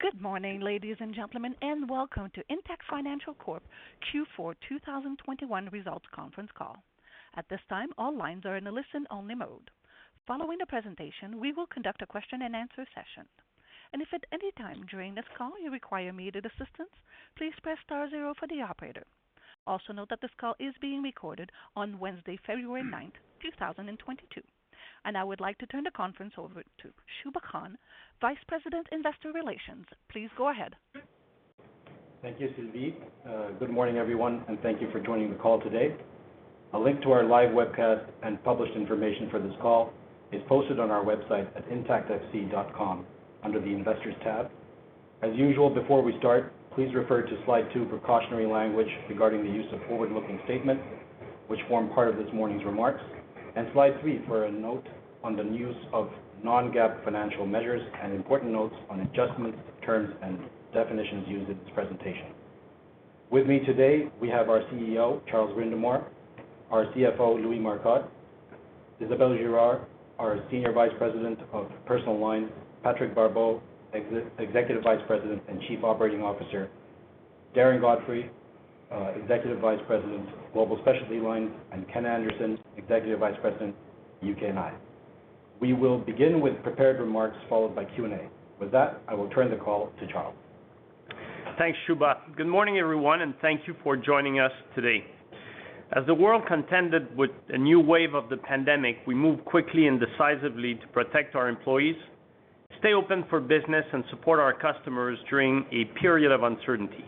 Good morning, ladies and gentlemen, and welcome to Intact Financial Corp Q4 2021 Results Conference Call. At this time, all lines are in a listen-only mode. Following the presentation, we will conduct a question-and-answer session. And if at any time during this call you require immediate assistance, please press star zero for the operator. Also note that this call is being recorded on Wednesday, February 9th, 2022. I would like to turn the conference over to Shubha Khan, Vice President, Investor Relations. Please go ahead. Thank you, Sylvie. Good morning, everyone, and thank you for joining the call today. A link to our live webcast and published information for this call is posted on our website at intactfc.com under the Investors tab. As usual, before we start, please refer to slide two, precautionary language regarding the use of forward-looking statements, which form part of this morning's remarks, and slide three for a note on the use of non-GAAP financial measures and important notes on adjustments, terms, and definitions used in this presentation. With me today, we have our CEO, Charles Brindamour, our CFO, Louis Marcotte, Isabelle Girard, our Senior Vice President of Personal Lines, Patrick Barbeau, Executive Vice President and Chief Operating Officer, Darren Godfrey, Executive Vice President, Global Specialty Lines, and Ken Anderson, Executive Vice President, UK and I. We will begin with prepared remarks followed by Q&A. With that, I will turn the call to Charles. Thanks, Shubha. Good morning, everyone, and thank you for joining us today. As the world contended with a new wave of the pandemic, we moved quickly and decisively to protect our employees, stay open for business, and support our customers during a period of uncertainty.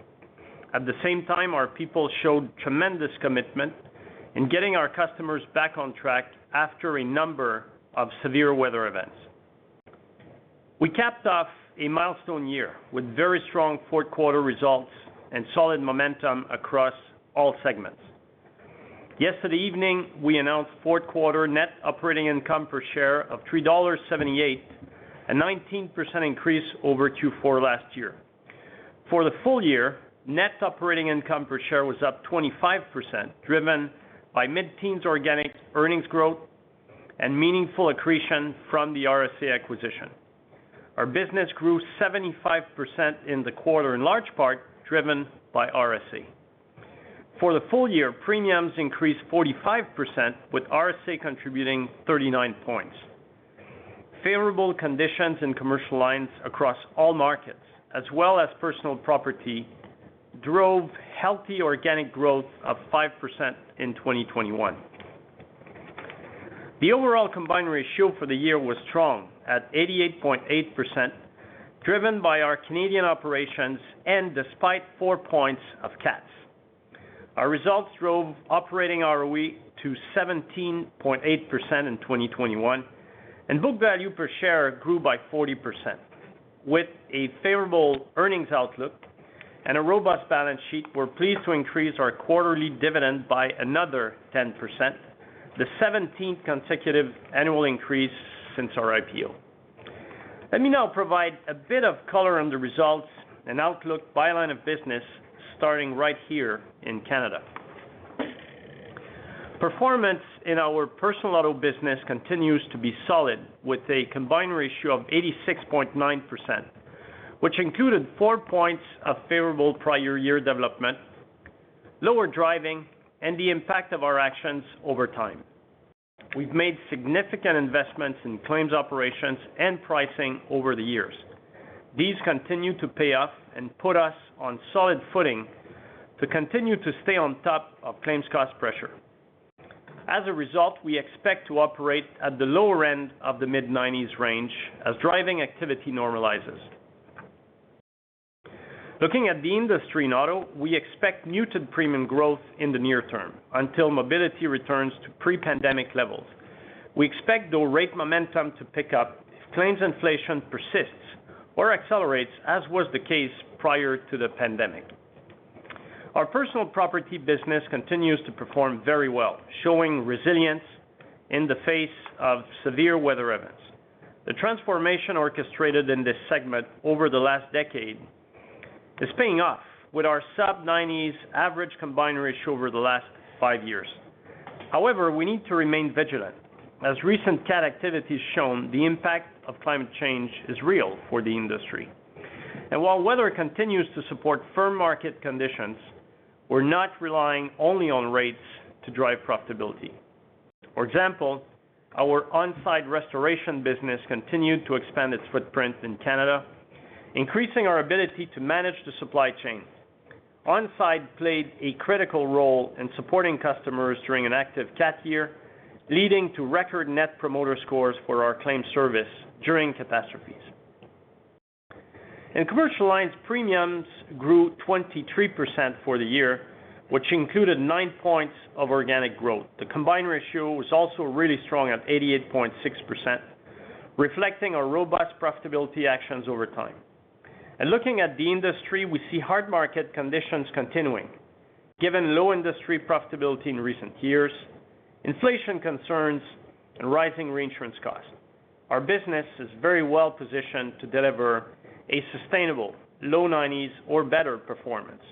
At the same time, our people showed tremendous commitment in getting our customers back on track after a number of severe weather events. We capped off a milestone year with very strong fourth quarter results and solid momentum across all segments. Yesterday evening, we announced fourth quarter net operating income per share of 3.78 dollars, a 19% increase over Q4 last year. For the full year, net operating income per share was up 25%, driven by mid-teens organic earnings growth and meaningful accretion from the RSA acquisition. Our business grew 75% in the quarter, in large part driven by RSA. For the full year, premiums increased 45%, with RSA contributing 39 points. Favorable conditions in commercial lines across all markets, as well as personal property, drove healthy organic growth of 5% in 2021. The overall combined ratio for the year was strong at 88.8%, driven by our Canadian operations and despite four points of CATs. Our results drove operating ROE to 17.8% in 2021, and book value per share grew by 40%. With a favorable earnings outlook and a robust balance sheet, we're pleased to increase our quarterly dividend by another 10%, the 17th consecutive annual increase since our IPO. Let me now provide a bit of color on the results and outlook by line of business, starting right here in Canada. Performance in our personal auto business continues to be solid with a combined ratio of 86.9%, which included four points of favorable prior year development, lower driving, and the impact of our actions over time. We've made significant investments in claims operations and pricing over the years. These continue to pay off and put us on solid footing to continue to stay on top of claims cost pressure. As a result, we expect to operate at the lower end of the mid-90s range as driving activity normalizes. Looking at the industry in auto, we expect muted premium growth in the near term until mobility returns to pre-pandemic levels. We expect the rate momentum to pick up if claims inflation persists or accelerates, as was the case prior to the pandemic. Our personal property business continues to perform very well, showing resilience in the face of severe weather events. The transformation orchestrated in this segment over the last decade is paying off with our sub-90s average combined ratio over the last five years. However, we need to remain vigilant. As recent CAT activity has shown, the impact of climate change is real for the industry. While weather continues to support firm market conditions, we're not relying only on rates to drive profitability. For example, our On Side Restoration business continued to expand its footprint in Canada, increasing our ability to manage the supply chain. On Side played a critical role in supporting customers during an active CAT year, leading to record Net Promoter Scores for our claim service during catastrophes. In commercial lines, premiums grew 23% for the year, which included nine points of organic growth. The combined ratio was also really strong at 88.6%, reflecting our robust profitability actions over time. Looking at the industry, we see hard market conditions continuing. Given low industry profitability in recent years, inflation concerns, and rising reinsurance costs, our business is very well-positioned to deliver a sustainable low 90s or better performance.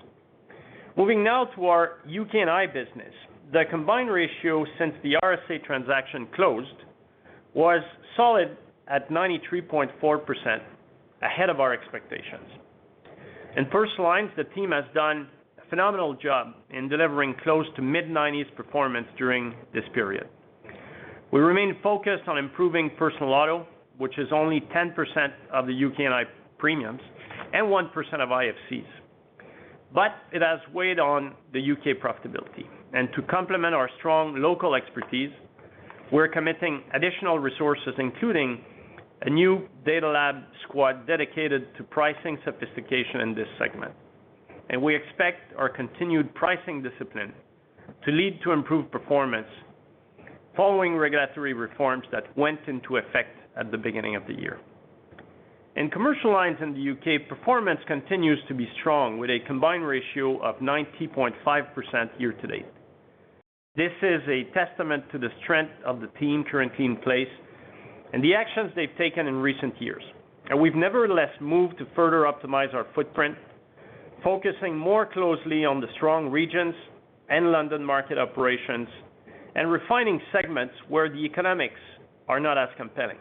Moving now to our UK and I business. The combined ratio since the RSA transaction closed was solid at 93.4% ahead of our expectations. In personal lines, the team has done a phenomenal job in delivering close to mid-90s performance during this period. We remain focused on improving personal auto, which is only 10% of the UK and I premiums and 1% of IFC's. But it has weighed on the U.K. profitability. And to complement our strong local expertise, we're committing additional resources, including a new Data Lab squad dedicated to pricing sophistication in this segment. And we expect our continued pricing discipline to lead to improved performance following regulatory reforms that went into effect at the beginning of the year. In commercial lines in the U.K., performance continues to be strong with a combined ratio of 90.5% year to date. This is a testament to the strength of the team currently in place and the actions they've taken in recent years. And we've nevertheless moved to further optimize our footprint, focusing more closely on the strong regions and London market operations and refining segments where the economics are not as compelling.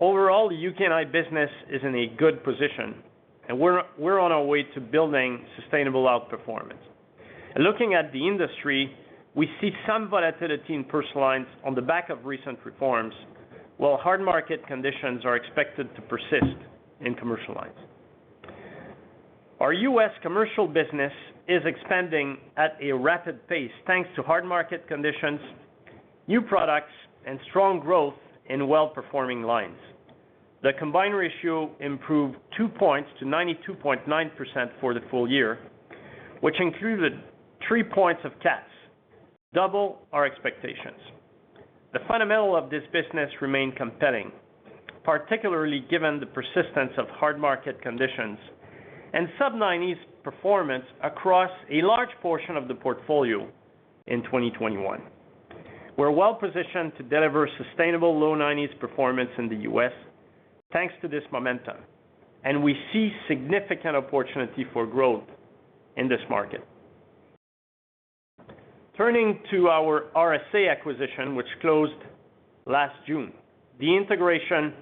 Overall, the UK and I business is in a good position, and we're on our way to building sustainable outperformance. Looking at the industry, we see some volatility in personal lines on the back of recent reforms, while hard market conditions are expected to persist in commercial lines. Our U.S. commercial business is expanding at a rapid pace, thanks to hard market conditions, new products, and strong growth in well-performing lines. The combined ratio improved two points to 92.9% for the full year, which included three points of CATs, double our expectations. The fundamentals of this business remain compelling, particularly given the persistence of hard market conditions and sub-90s performance across a large portion of the portfolio in 2021. We're well-positioned to deliver sustainable low 90s performance in the U.S. thanks to this momentum, and we see significant opportunity for growth in this market. Turning to our RSA acquisition, which closed last June. The integration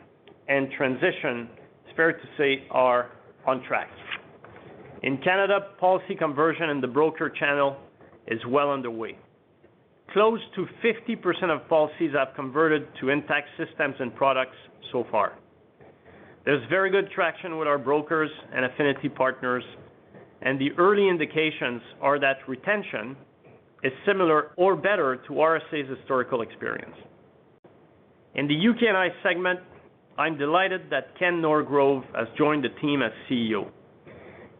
and transition, it's fair to say, are on track. In Canada, policy conversion in the broker channel is well underway. Close to 50% of policies have converted to Intact systems and products so far. There's very good traction with our brokers and affinity partners, and the early indications are that retention is similar or better to RSA's historical experience. In the UK and I segment, I'm delighted that Ken Norgrove has joined the team as CEO.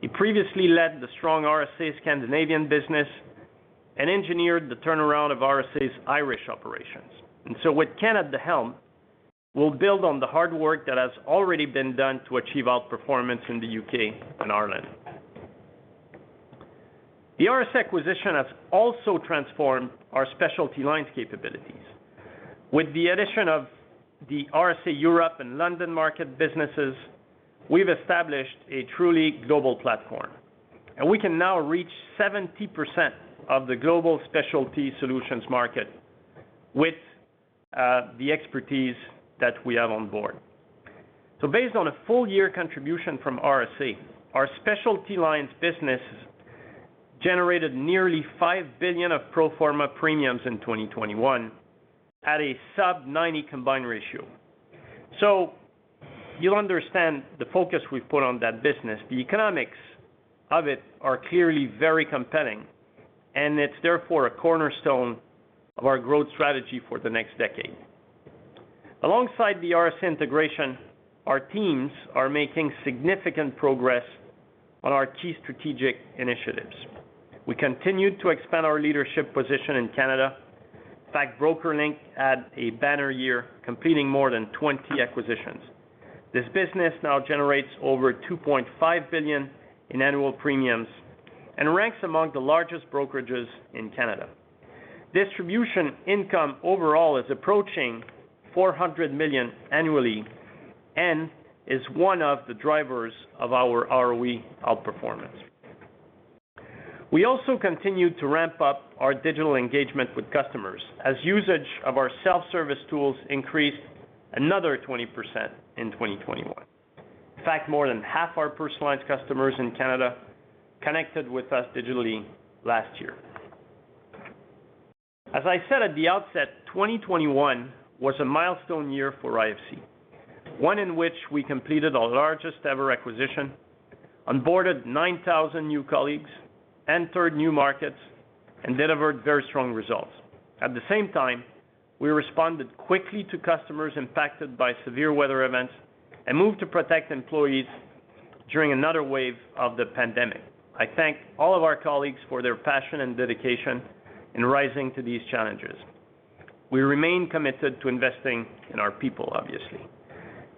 He previously led the strong RSA's Scandinavian business and engineered the turnaround of RSA's Irish operations. With Ken at the helm, we'll build on the hard work that has already been done to achieve outperformance in the U.K. and Ireland. The RSA acquisition has also transformed our specialty lines capabilities. With the addition of the RSA Europe and London market businesses, we've established a truly global platform, and we can now reach 70% of the global specialty solutions market with the expertise that we have on board. Based on a full year contribution from RSA, our specialty lines business generated nearly 5 billion of pro forma premiums in 2021 at a sub-90 combined ratio. You'll understand the focus we put on that business. The economics of it are clearly very compelling, and it's therefore a cornerstone of our growth strategy for the next decade. Alongside the RSA integration, our teams are making significant progress on our key strategic initiatives. We continued to expand our leadership position in Canada. In fact, BrokerLink had a banner year, completing more than 20 acquisitions. This business now generates over 2.5 billion in annual premiums and ranks among the largest brokerages in Canada. Distribution income overall is approaching 400 million annually and is one of the drivers of our ROE outperformance. We also continued to ramp up our digital engagement with customers as usage of our self-service tools increased another 20% in 2021. In fact, more than half our personal lines customers in Canada connected with us digitally last year. As I said at the offset, 2021 was a milestone year for IFC, one in which we completed our largest ever acquisition, onboarded 9,000 new colleagues, entered new markets, and delivered very strong results. At the same time, we responded quickly to customers impacted by severe weather events and moved to protect employees during another wave of the pandemic. I thank all of our colleagues for their passion and dedication in rising to these challenges. We remain committed to investing in our people, obviously,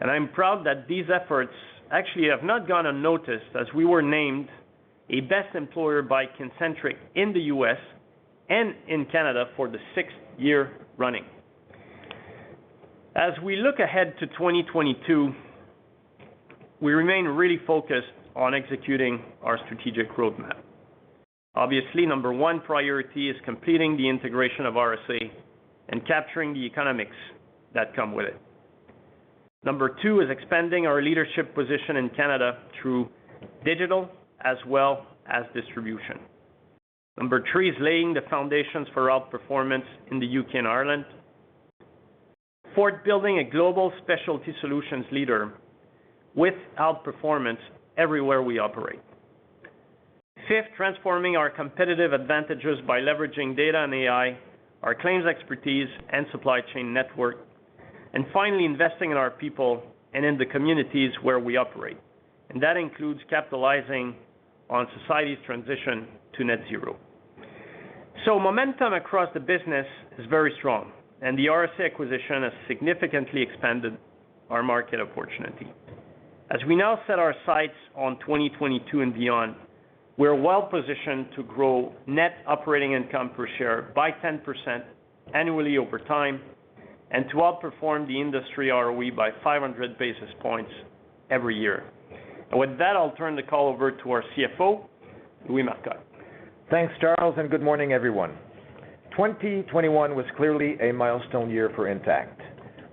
and I'm proud that these efforts actually have not gone unnoticed as we were named a best employer by Kincentric in the U.S. and in Canada for the sixth year running. As we look ahead to 2022, we remain really focused on executing our strategic roadmap. Obviously, number one priority is completing the integration of RSA and capturing the economics that come with it. Number two is expanding our leadership position in Canada through digital as well as distribution. Number three is laying the foundations for outperformance in the U.K. and Ireland. Four, building a global specialty solutions leader with outperformance everywhere we operate. Fifth, transforming our competitive advantages by leveraging data and AI, our claims expertise and supply chain network, and finally, investing in our people and in the communities where we operate. And that includes capitalizing on society's transition to net zero. Momentum across the business is very strong, and the RSA acquisition has significantly expanded our market opportunity. As we now set our sights on 2022 and beyond, we are well-positioned to grow net operating income per share by 10% annually over time, and to outperform the industry ROE by 500 basis points every year. With that, I'll turn the call over to our CFO, Louis Marcotte. Thanks, Charles, and good morning, everyone. 2021 was clearly a milestone year for Intact.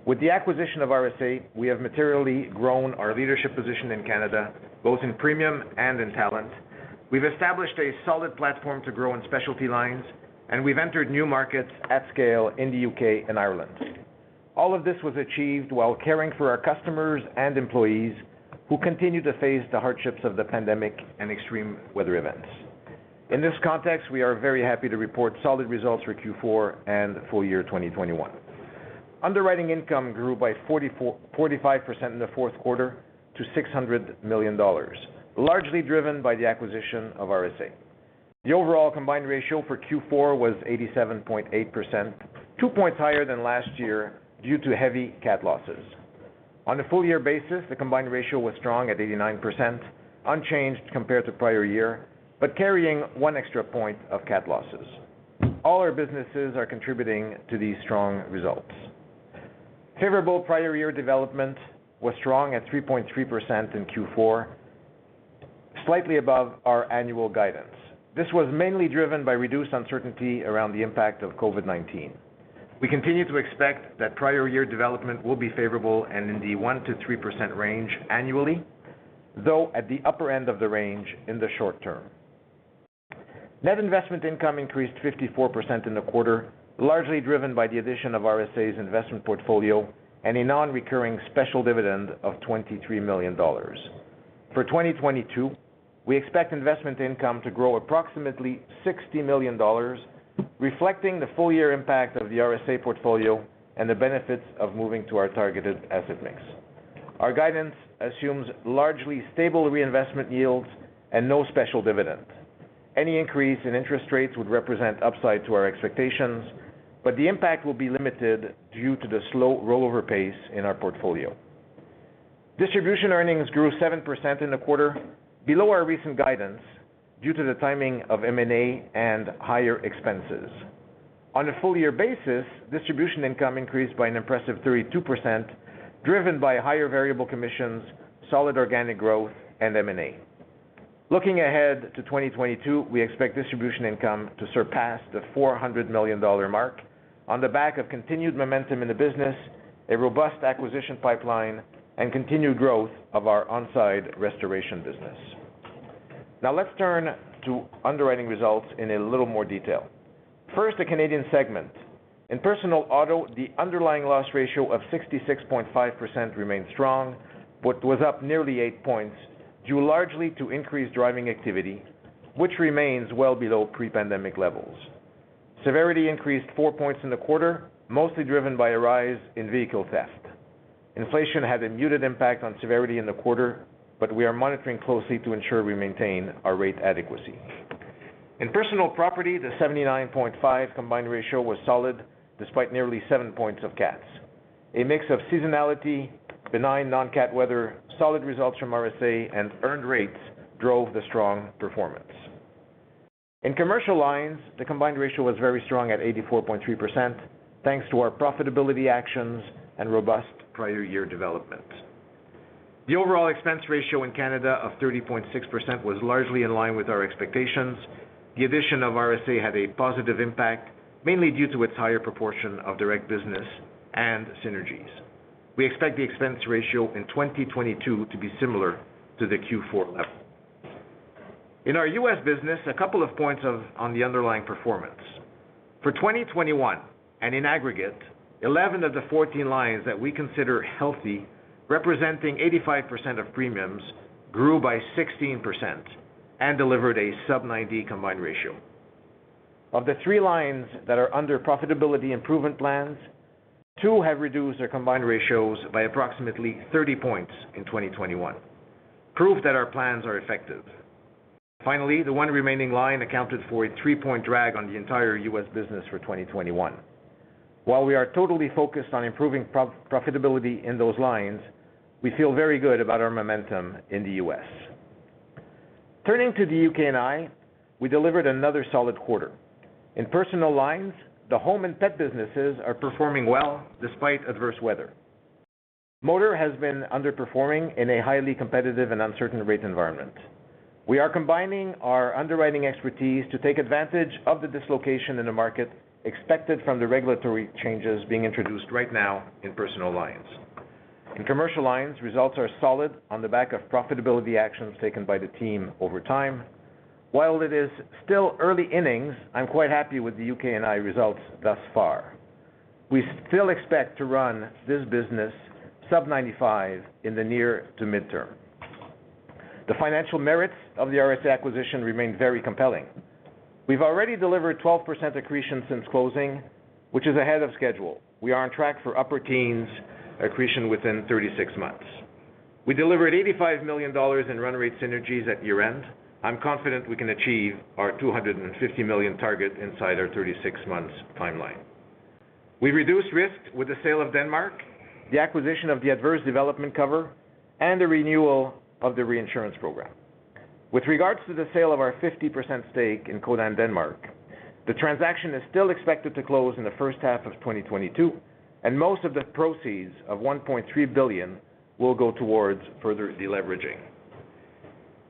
With the acquisition of RSA, we have materially grown our leadership position in Canada, both in premium and in talent. We've established a solid platform to grow in specialty lines, and we've entered new markets at scale in the U.K. and Ireland. All of this was achieved while caring for our customers and employees who continue to face the hardships of the pandemic and extreme weather events. In this context, we are very happy to report solid results for Q4 and full year 2021. Underwriting income grew by 45% in the fourth quarter to 600 million dollars, largely driven by the acquisition of RSA. The overall combined ratio for Q4 was 87.8%, two points higher than last year due to heavy CAT losses. On a full year basis, the combined ratio was strong at 89%, unchanged compared to prior year, but carrying one extra point of CAT losses. All our businesses are contributing to these strong results. Favorable prior year development was strong at 3.3% in Q4, slightly above our annual guidance. This was mainly driven by reduced uncertainty around the impact of COVID-19. We continue to expect that prior year development will be favorable and in the 1%-3% range annually, though at the upper end of the range in the short term. Net investment income increased 54% in the quarter, largely driven by the addition of RSA's investment portfolio and a non-recurring special dividend of 23 million dollars. For 2022, we expect investment income to grow approximately 60 million dollars, reflecting the full year impact of the RSA portfolio and the benefits of moving to our targeted asset mix. Our guidance assumes largely stable reinvestment yields and no special dividends. Any increase in interest rates would represent upside to our expectations, but the impact will be limited due to the slow rollover pace in our portfolio. Distribution earnings grew 7% in the quarter below our recent guidance due to the timing of M&A and higher expenses. On a full year basis, distribution income increased by an impressive 32%, driven by higher variable commissions, solid organic growth, and M&A. Looking ahead to 2022, we expect distribution income to surpass the 400 million dollar mark on the back of continued momentum in the business, a robust acquisition pipeline, and continued growth of our On Side Restoration business. Now let's turn to underwriting results in a little more detail. First, the Canadian segment. In personal auto, the underlying loss ratio of 66.5% remains strong, but was up nearly eight points, due largely to increased driving activity, which remains well below pre-pandemic levels. Severity increased four points in the quarter, mostly driven by a rise in vehicle theft. Inflation had a muted impact on severity in the quarter, but we are monitoring closely to ensure we maintain our rate adequacy. In personal property, the 79.5 combined ratio was solid despite nearly seven points of CATs. A mix of seasonality, benign non-CAT weather, solid results from RSA, and earned rates drove the strong performance. In commercial lines, the combined ratio was very strong at 84.3%, thanks to our profitability actions and robust prior year development. The overall expense ratio in Canada of 30.6% was largely in line with our expectations. The addition of RSA had a positive impact, mainly due to its higher proportion of direct business and synergies. We expect the expense ratio in 2022 to be similar to the Q4 level. In our U.S. business, on the underlying performance. For 2021 and in aggregate, 11 of the 14 lines that we consider healthy, representing 85% of premiums, grew by 16% and delivered a sub-90 combined ratio. Of the three lines that are under profitability improvement plans, two have reduced their combined ratios by approximately 30 points in 2021. Proof that our plans are effective. Finally, the one remaining line accounted for a three-point drag on the entire U.S. business for 2021. While we are totally focused on improving profitability in those lines, we feel very good about our momentum in the U.S. Turning to the UK and I, we delivered another solid quarter. In personal lines, the home and pet businesses are performing well despite adverse weather. Motor has been underperforming in a highly competitive and uncertain rate environment. We are combining our underwriting expertise to take advantage of the dislocation in the market expected from the regulatory changes being introduced right now in personal lines. In commercial lines, results are solid on the back of profitability actions taken by the team over time. While it is still early innings, I'm quite happy with the UK and Ireland results thus far. We still expect to run this business sub-95 in the near to mid-term. The financial merits of the RSA acquisition remain very compelling. We've already delivered 12% accretion since closing, which is ahead of schedule. We are on track for upper teens accretion within 36 months. We delivered 85 million dollars in run rate synergies at year-end. I'm confident we can achieve our 250 million target inside our 36 months timeline. We reduced risk with the sale of Denmark, the acquisition of the adverse development cover, and the renewal of the reinsurance program. With regards to the sale of our 50% stake in Codan, Denmark, the transaction is still expected to close in the first half of 2022, and most of the proceeds of 1.3 billion will go towards further deleveraging.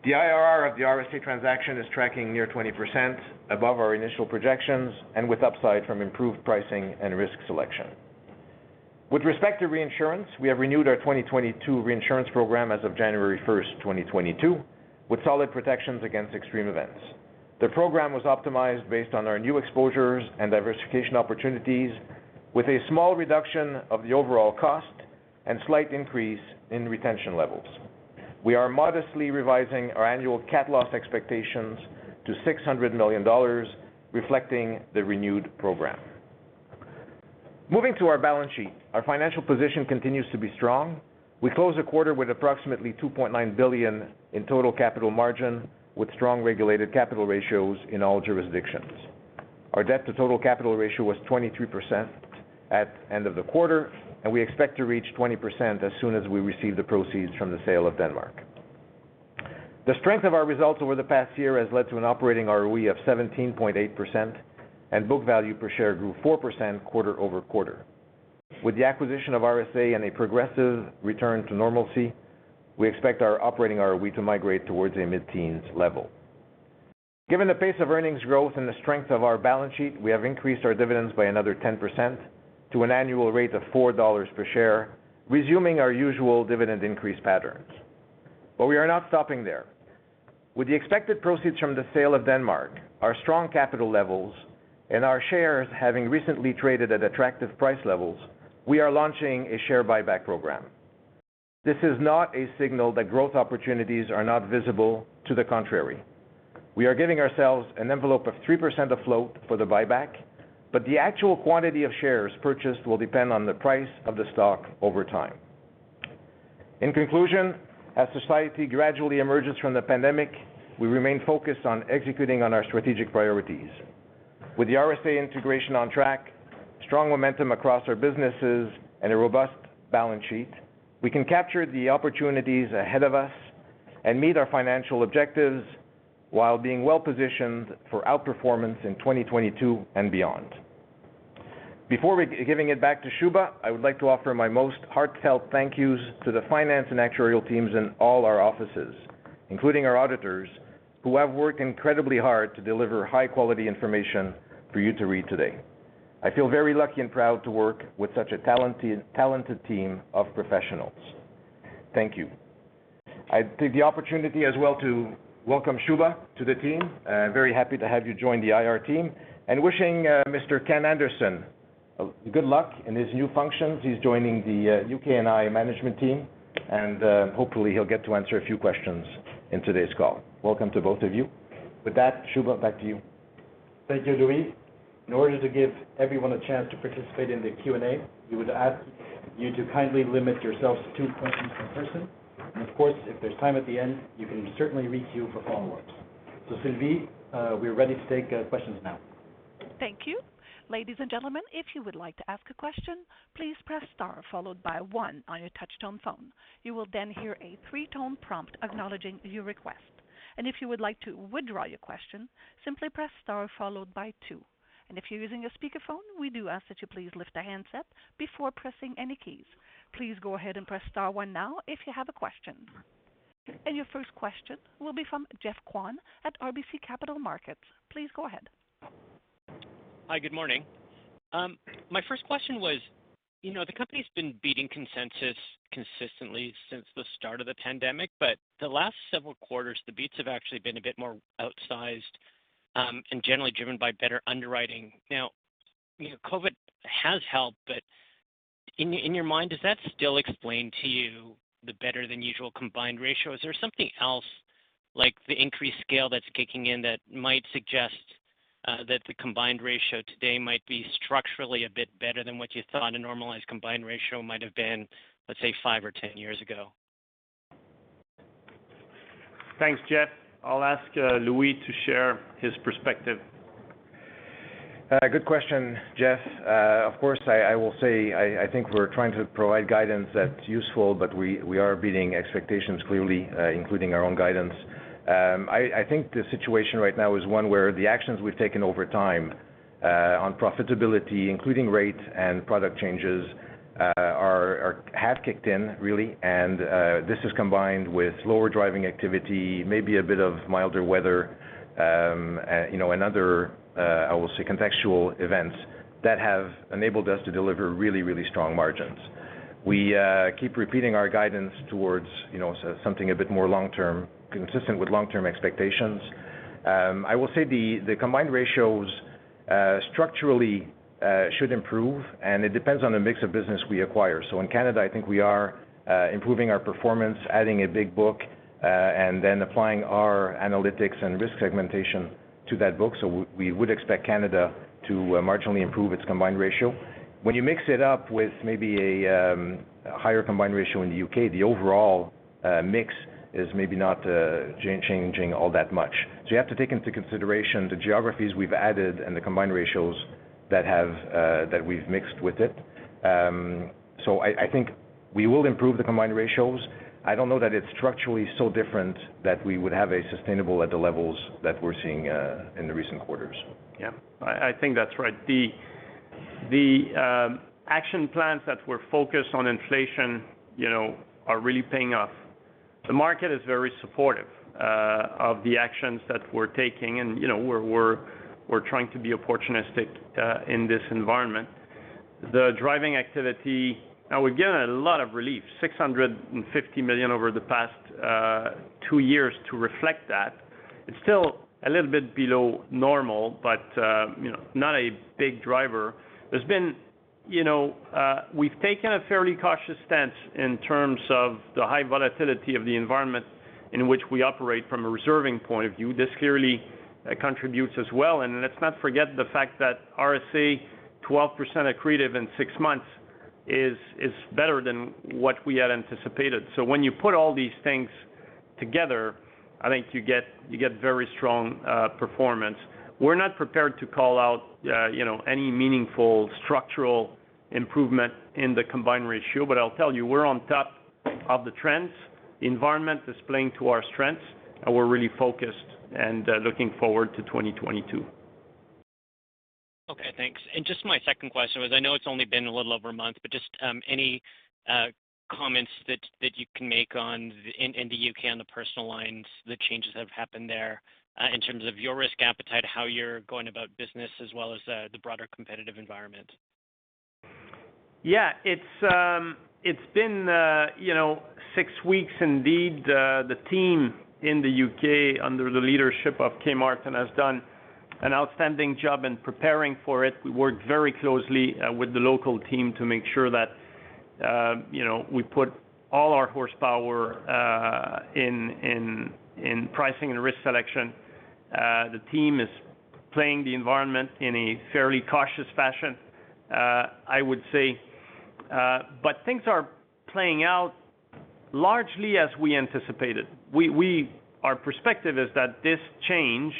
The IRR of the RSA transaction is tracking near 20% above our initial projections and with upside from improved pricing and risk selection. With respect to reinsurance, we have renewed our 2022 reinsurance program as of January 1st, 2022, with solid protections against extreme events. The program was optimized based on our new exposures and diversification opportunities with a small reduction of the overall cost and slight increase in retention levels. We are modestly revising our annual CAT loss expectations to 600 million dollars, reflecting the renewed program. Moving to our balance sheet, our financial position continues to be strong. We close the quarter with approximately 2.9 billion in total capital margin, with strong regulated capital ratios in all jurisdictions. Our debt to total capital ratio was 23% at end of the quarter, and we expect to reach 20% as soon as we receive the proceeds from the sale of Denmark. The strength of our results over the past year has led to an operating ROE of 17.8%, and book value per share grew 4% quarter-over-quarter. With the acquisition of RSA and a progressive return to normalcy, we expect our operating ROE to migrate towards a mid-teens level. Given the pace of earnings growth and the strength of our balance sheet, we have increased our dividends by another 10% to an annual rate of 4 dollars per share, resuming our usual dividend increase patterns. But we are not stopping there. With the expected proceeds from the sale of Denmark, our strong capital levels and our shares having recently traded at attractive price levels, we are launching a share buyback program. This is not a signal that growth opportunities are not visible to the contrary. We are giving ourselves an envelope of 3% of float for the buyback, but the actual quantity of shares purchased will depend on the price of the stock over time. In conclusion, as society gradually emerges from the pandemic, we remain focused on executing on our strategic priorities. With the RSA integration on track, strong momentum across our businesses and a robust balance sheet, we can capture the opportunities ahead of us and meet our financial objectives while being well positioned for outperformance in 2022 and beyond. Before we give it back to Shubha, I would like to offer my most heartfelt thank yous to the finance and actuarial teams in all our offices, including our auditors, who have worked incredibly hard to deliver high quality information for you to read today. I feel very lucky and proud to work with such a talented team of professionals. Thank you. I take the opportunity as well to welcome Shubha to the team. Very happy to have you join the IR team and wishing Mr. Ken Anderson good luck in his new functions. He's joining the UK and I management team, and hopefully he'll get to answer a few questions in today's call. Welcome to both of you. With that, Shubha, back to you. Thank you, Louis. In order to give everyone a chance to participate in the Q&A, we would ask you to kindly limit yourselves to two questions per person. And of course, if there's time at the end, you can certainly queue for follow-ups. So Sylvie, we're ready to take questions now. Thank you. Ladies and gentlemen, if you would like to ask a question, please press star followed by one on your touchtone phone. You will then hear a three-tone prompt acknowledging your request. And if you would like to withdraw your question, simply press star followed by two. And if you're using a speakerphone, we do ask that you please lift the handset before pressing any keys. Please go ahead and press star one now if you have a question. Your first question will be from Geoff Kwan at RBC Capital Markets. Please go ahead. Hi, good morning. My first question was, you know, the company's been beating consensus consistently since the start of the pandemic, but the last several quarters the beats have actually been a bit more outsized in generally driven by better underwriting, you know, COVID has helped it. In your mind, does that still explain to you the better than usual combined ratio? Or is there's something else, like the increased scale that's kicking in, that might suggest that the combined ratio today might be structurally a bit better than what you thought a normalized combined ratio, let's say, five or 10 years ago? Thanks, Geoff. I'll ask Louis to share his perspective. Good question, Geoff. Of course, I will say I think we're trying to provide guidance that's useful, but we are beating expectations clearly, including our own guidance. I think the situation right now is one where the actions we've taken over time on profitability, including rates and product changes, have kicked in really. This is combined with lower driving activity, maybe a bit of milder weather, you know, and other, I will say, contextual events that have enabled us to deliver really, really strong margins. We keep repeating our guidance towards, you know, something a bit more long-term, consistent with long-term expectations. I will say the combined ratios structurally should improve, and it depends on the mix of business we acquire. So in Canada, I think we are improving our performance, adding a big book, and then applying our analytics and risk segmentation to that book. We would expect Canada to marginally improve its combined ratio. When you mix it up with maybe a higher combined ratio in the U.K., the overall mix is maybe not changing all that much. You have to take into consideration the geographies we've added and the combined ratios that we've mixed with it. So I think we will improve the combined ratios. I don't know that it's structurally so different that we would have a sustainable at the levels that we're seeing in the recent quarters. Yeah. I think that's right. The action plans that we're focused on inflation, you know, are really paying off. The market is very supportive of the actions that we're taking. You know, we're trying to be opportunistic in this environment. Now we've given a lot of relief, 650 million over the past two years to reflect that. It's still a little bit below normal, but you know, not a big driver. We've taken a fairly cautious stance in terms of the high volatility of the environment in which we operate from a reserving point of view. This clearly contributes as well. Let's not forget the fact that RSA, 12% accretive in six months is better than what we had anticipated. So when you put all these things together, I think you get very strong performance. We're not prepared to call out, you know, any meaningful structural improvement in the combined ratio, but I'll tell you, we're on top of the trends. Environment is playing to our strengths. And we're really focused and looking forward to 2022. Okay, thanks. Just my second question was, I know it's only been a little over a month, but just any comments that you can make in the U.K. on the personal lines, the changes that have happened there, in terms of your risk appetite, how you're going about business as well as the broader competitive environment? Yeah. It's been, you know, six weeks indeed. The team in the U.K., under the leadership of Kay Martin, has done an outstanding job in preparing for it. We worked very closely with the local team to make sure that, you know, we put all our horsepower in pricing and risk selection. The team is playing the environment in a fairly cautious fashion, I would say. Things are playing out largely as we anticipated. Our perspective is that this change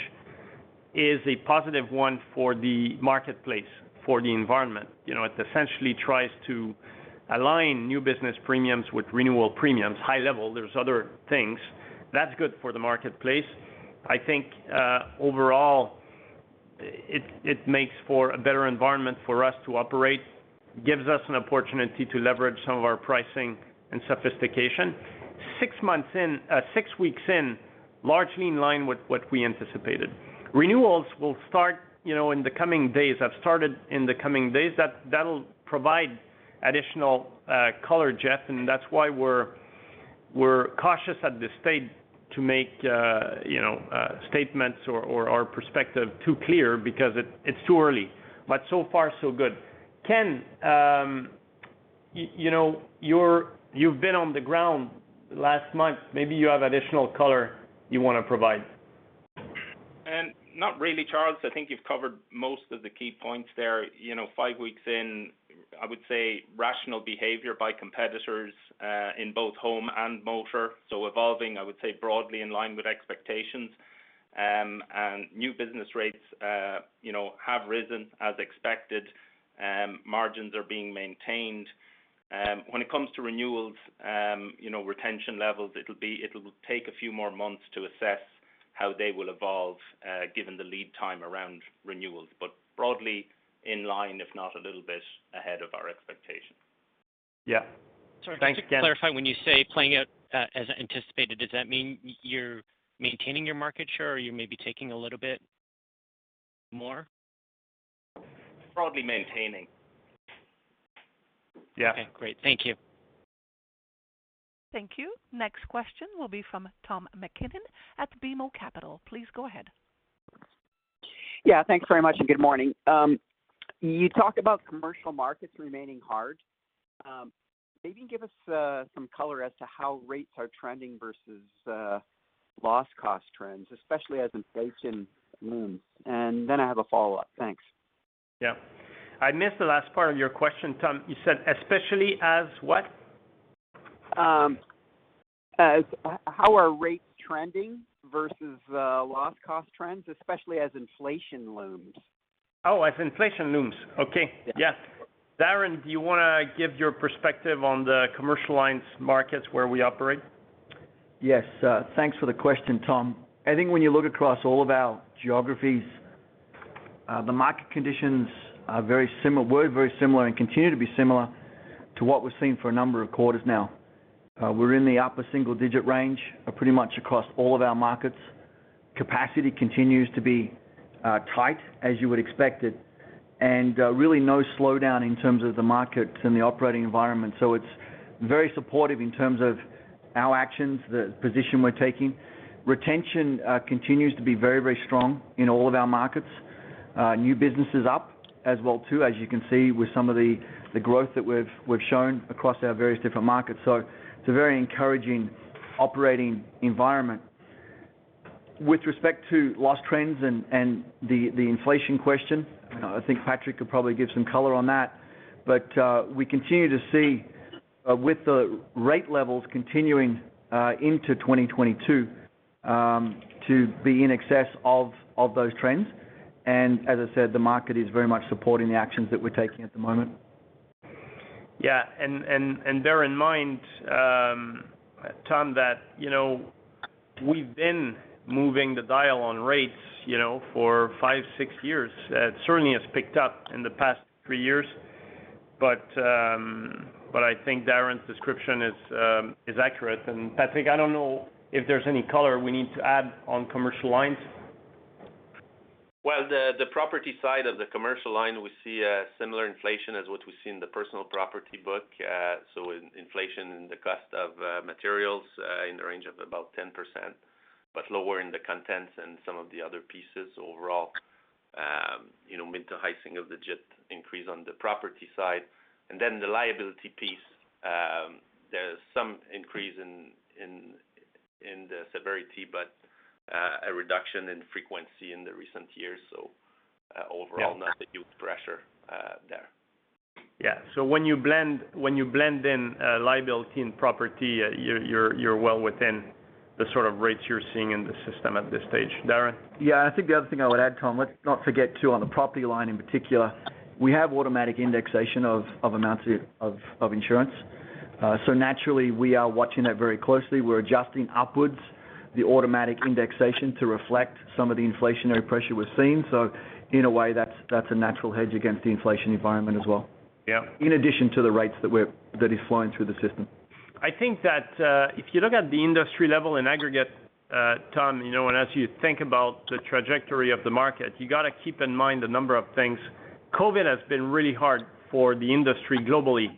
is a positive one for the marketplace, for the environment. You know, it essentially tries to align new business premiums with renewal premiums, high level. There's other things. That's good for the marketplace. I think, overall, it makes for a better environment for us to operate. Gives us an opportunity to leverage some of our pricing and sophistication. Six weeks in, largely in line with what we anticipated. Renewals will start, you know, in the coming days. Have started in the coming days. That, that'll provide additional color, Geoff, and that's why we're cautious at this stage to make statements or our perspective too clear because it's too early. So far so good. Ken, you know, you've been on the ground last month. Maybe you have additional color you wanna provide. Not really, Charles. I think you've covered most of the key points there. You know, five weeks in, I would say rational behavior by competitors in both home and motor, evolving, I would say broadly in line with expectations. And new business rates, you know, have risen as expected. Margins are being maintained. When it comes to renewals, you know, retention levels, it'll take a few more months to assess how they will evolve, given the lead time around renewals. Broadly, in line, if not a little bit ahead of our expectations. Yeah. Thanks, Ken. Sorry. Just to clarify, when you say playing out as anticipated, does that mean you're maintaining your market share, or you may be taking a little bit more? Broadly maintaining. Yeah. Okay, great. Thank you. Thank you. Next question will be from Tom MacKinnon at BMO Capital. Please go ahead. Yeah. Thanks very much, and good morning. You talked about commercial markets remaining hard. Maybe give us some color as to how rates are trending versus loss cost trends, especially as inflation looms. And then I have a follow-up. Thanks. Yeah. I missed the last part of your question, Tom. You said especially as, what? How are rates trending versus loss cost trends, especially as inflation looms? Oh, as inflation looms. Okay. Yeah. Yes. Darren, do you wanna give your perspective on the commercial lines markets where we operate? Yes. Thanks for the question, Tom. I think when you look across all of our geographies, the market conditions were very similar and continue to be similar to what we're seeing for a number of quarters now. We're in the upper single digit range, pretty much across all of our markets. Capacity continues to be tight as you would expect it, and really no slowdown in terms of the markets and the operating environment. So it's very supportive in terms of our actions, the position we're taking. Retention continues to be very, very strong in all of our markets. New business is up as well too, as you can see with some of the growth that we've shown across our various different markets. So it's a very encouraging operating environment. With respect to loss trends and the inflation question, I think Patrick could probably give some color on that. We continue to see with the rate levels continuing into 2022 to be in excess of those trends. As I said, the market is very much supporting the actions that we're taking at the moment. Yeah. And bear in mind, Tom, that, you know, we've been moving the dial on rates, you know, for five, six years. It certainly has picked up in the past three years, but I think Darrin's description is accurate. Patrick, I don't know if there's any color we need to add on commercial lines. Well, the property side of the commercial line, we see a similar inflation as what we see in the personal property book. So, inflation in the cost of materials in the range of about 10%, but lower in the contents and some of the other pieces overall, you know, mid- to high-single-digit increase on the property side. And the liability piece, there's some increase in the severity, but a reduction in frequency in the recent years. So overall. Yeah. Not a huge pressure, there. Yeah. So when you blend in liability and property, you're well within the sort of rates you're seeing in the system at this stage. Darren? Yeah. I think the other thing I would add, Tom, let's not forget too, on the property line in particular, we have automatic indexation of amounts of insurance. Naturally, we are watching that very closely. We're adjusting upwards the automatic indexation to reflect some of the inflationary pressure we're seeing. So in a way, that's a natural hedge against the inflation environment as well. Yeah. In addition to the rates that is flowing through the system. I think that, if you look at the industry level in aggregate, Tom, you know, and as you think about the trajectory of the market, you gotta keep in mind a number of things. COVID has been really hard for the industry globally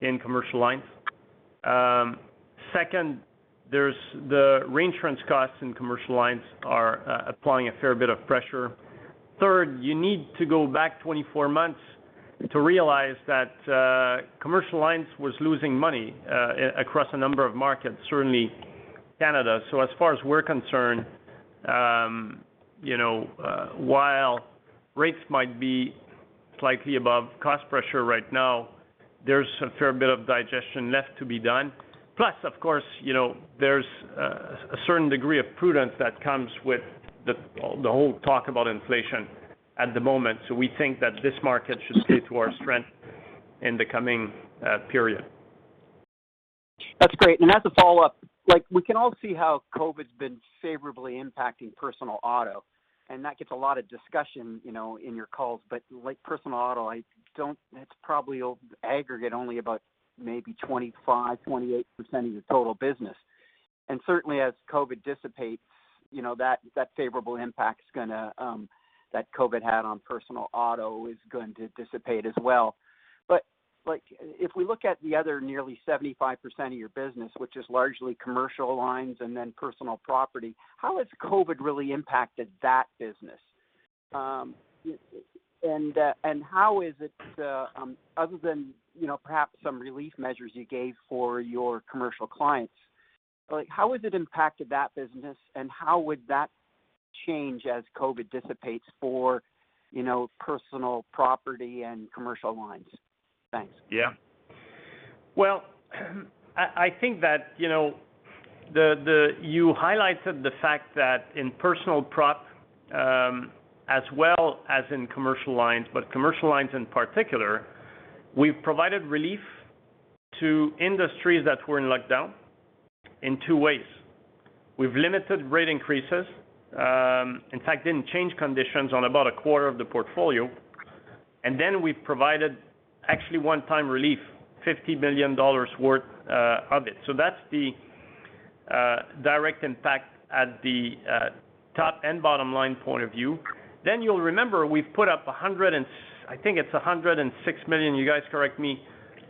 in commercial lines. Second, there's the reinsurance costs in commercial lines are applying a fair bit of pressure. Third, you need to go back 24 months to realize that commercial lines was losing money across a number of markets, certainly Canada. So as far as we're concerned, you know, while rates might be slightly above cost pressure right now, there's a fair bit of digestion left to be done. Plus, of course, you know, there's a certain degree of prudence that comes with the whole talk about inflation at the moment. So we think that this market should play to our strength in the coming period. That's great. As a follow-up, like, we can all see how COVID's been favorably impacting personal auto, and that gets a lot of discussion, you know, in your calls. Like personal auto, it's probably aggregate only about maybe 25%-28% of your total business. Certainly as COVID dissipates, you know, that favorable impact is gonna, that COVID had on personal auto is going to dissipate as well. Like, if we look at the other nearly 75% of your business, which is largely commercial lines and then personal property, how has COVID really impacted that business? And how is it, other than, you know, perhaps some relief measures you gave for your commercial clients, like, how has it impacted that business, and how would that change as COVID dissipates for, you know, personal property and commercial lines? Thanks. Yeah. Well, I think that, you know, you highlighted the fact that in personal prop, as well as in commercial lines, but commercial lines in particular, we've provided relief to industries that were in lockdown in two ways. We've limited rate increases, in fact, didn't change conditions on about a quarter of the portfolio. We've provided actually one-time relief, 50 million dollars worth, of it. So that's the direct impact at the top and bottom line point of view. You'll remember, we've put up 106 million, you guys correct me,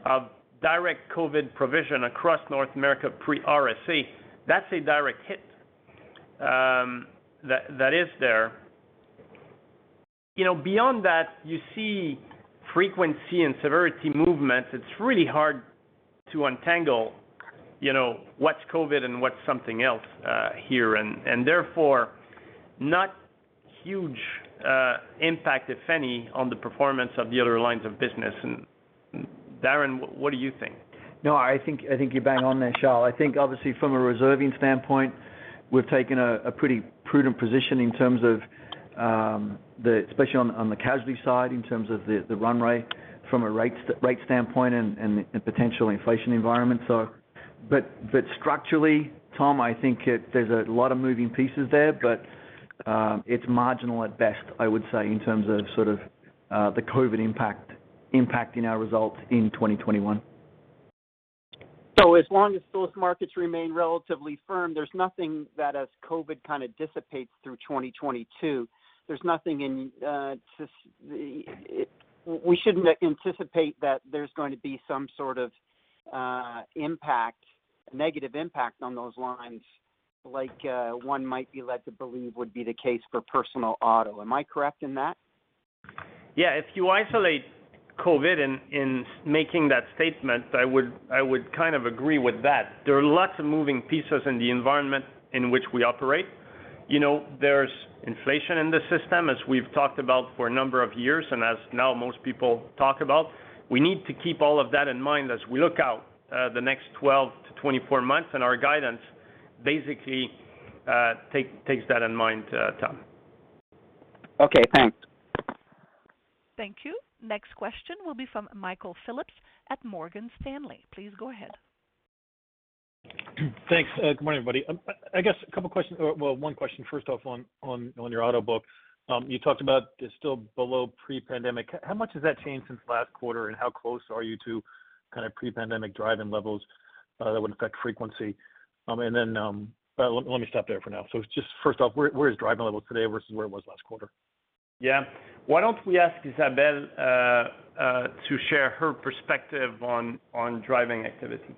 of direct COVID provision across North America pre-RSA. That's a direct hit, that is there. You know, beyond that, you see frequency and severity movements, it's really hard to untangle, you know, what's COVID and what's something else, here. And therefore, not huge impact, if any, on the performance of the other lines of business. Darren, what do you think? No, I think you bang on there, Charles. I think obviously from a reserving standpoint, we've taken a pretty prudent position in terms of, especially on the casualty side, in terms of the run rate from a rate standpoint and potential inflation environment. But structurally, Tom, I think there's a lot of moving parts there, but it's marginal at best, I would say, in terms of sort of the COVID impact impacting our results in 2021. As long as those markets remain relatively firm, there's nothing that as COVID kind of dissipates through 2022, there's nothing we shouldn't anticipate that there's going to be some sort of impact, negative impact on those lines, like one might be led to believe would be the case for personal auto. Am I correct in that? Yeah. If you isolate COVID in making that statement, I would kind of agree with that. There are lots of moving pieces in the environment in which we operate. You know, there's inflation in the system, as we've talked about for a number of years, and as now most people talk about. We need to keep all of that in mind as we look out the next 12, 24 months. Our guidance basically takes that in mind, Tom. Okay, thanks. Thank you. Next question will be from Michael Phillips at Morgan Stanley. Please go ahead. Thanks. Good morning, everybody. I guess a couple questions. Well, one question first off on your auto book. You talked about it's still below pre-pandemic. How much has that changed since last quarter, and how close are you to kind of pre-pandemic driving levels that would affect frequency? Let me stop there for now. It's just first off, where is driving levels today versus where it was last quarter? Yeah. Why don't we ask Isabelle to share her perspective on driving activity?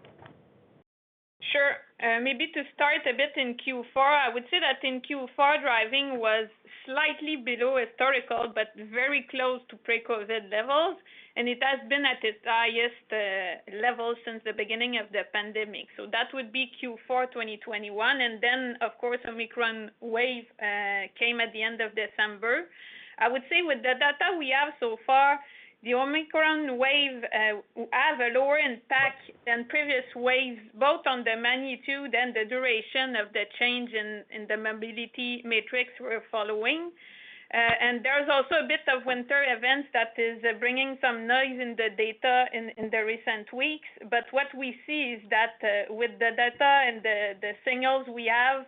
Sure. Maybe to start a bit in Q4, I would say that in Q4, driving was slightly below historical, but very close to pre-COVID levels, and it has been at its highest level since the beginning of the pandemic. That would be Q4 2021. Of course, Omicron wave came at the end of December. I would say with the data we have so far, the Omicron wave has a lower impact than previous waves, both on the magnitude and the duration of the change in the mobility matrix we're following. There's also a bit of winter events that is bringing some noise in the data in the recent weeks. What we see is that, with the data and the signals we have,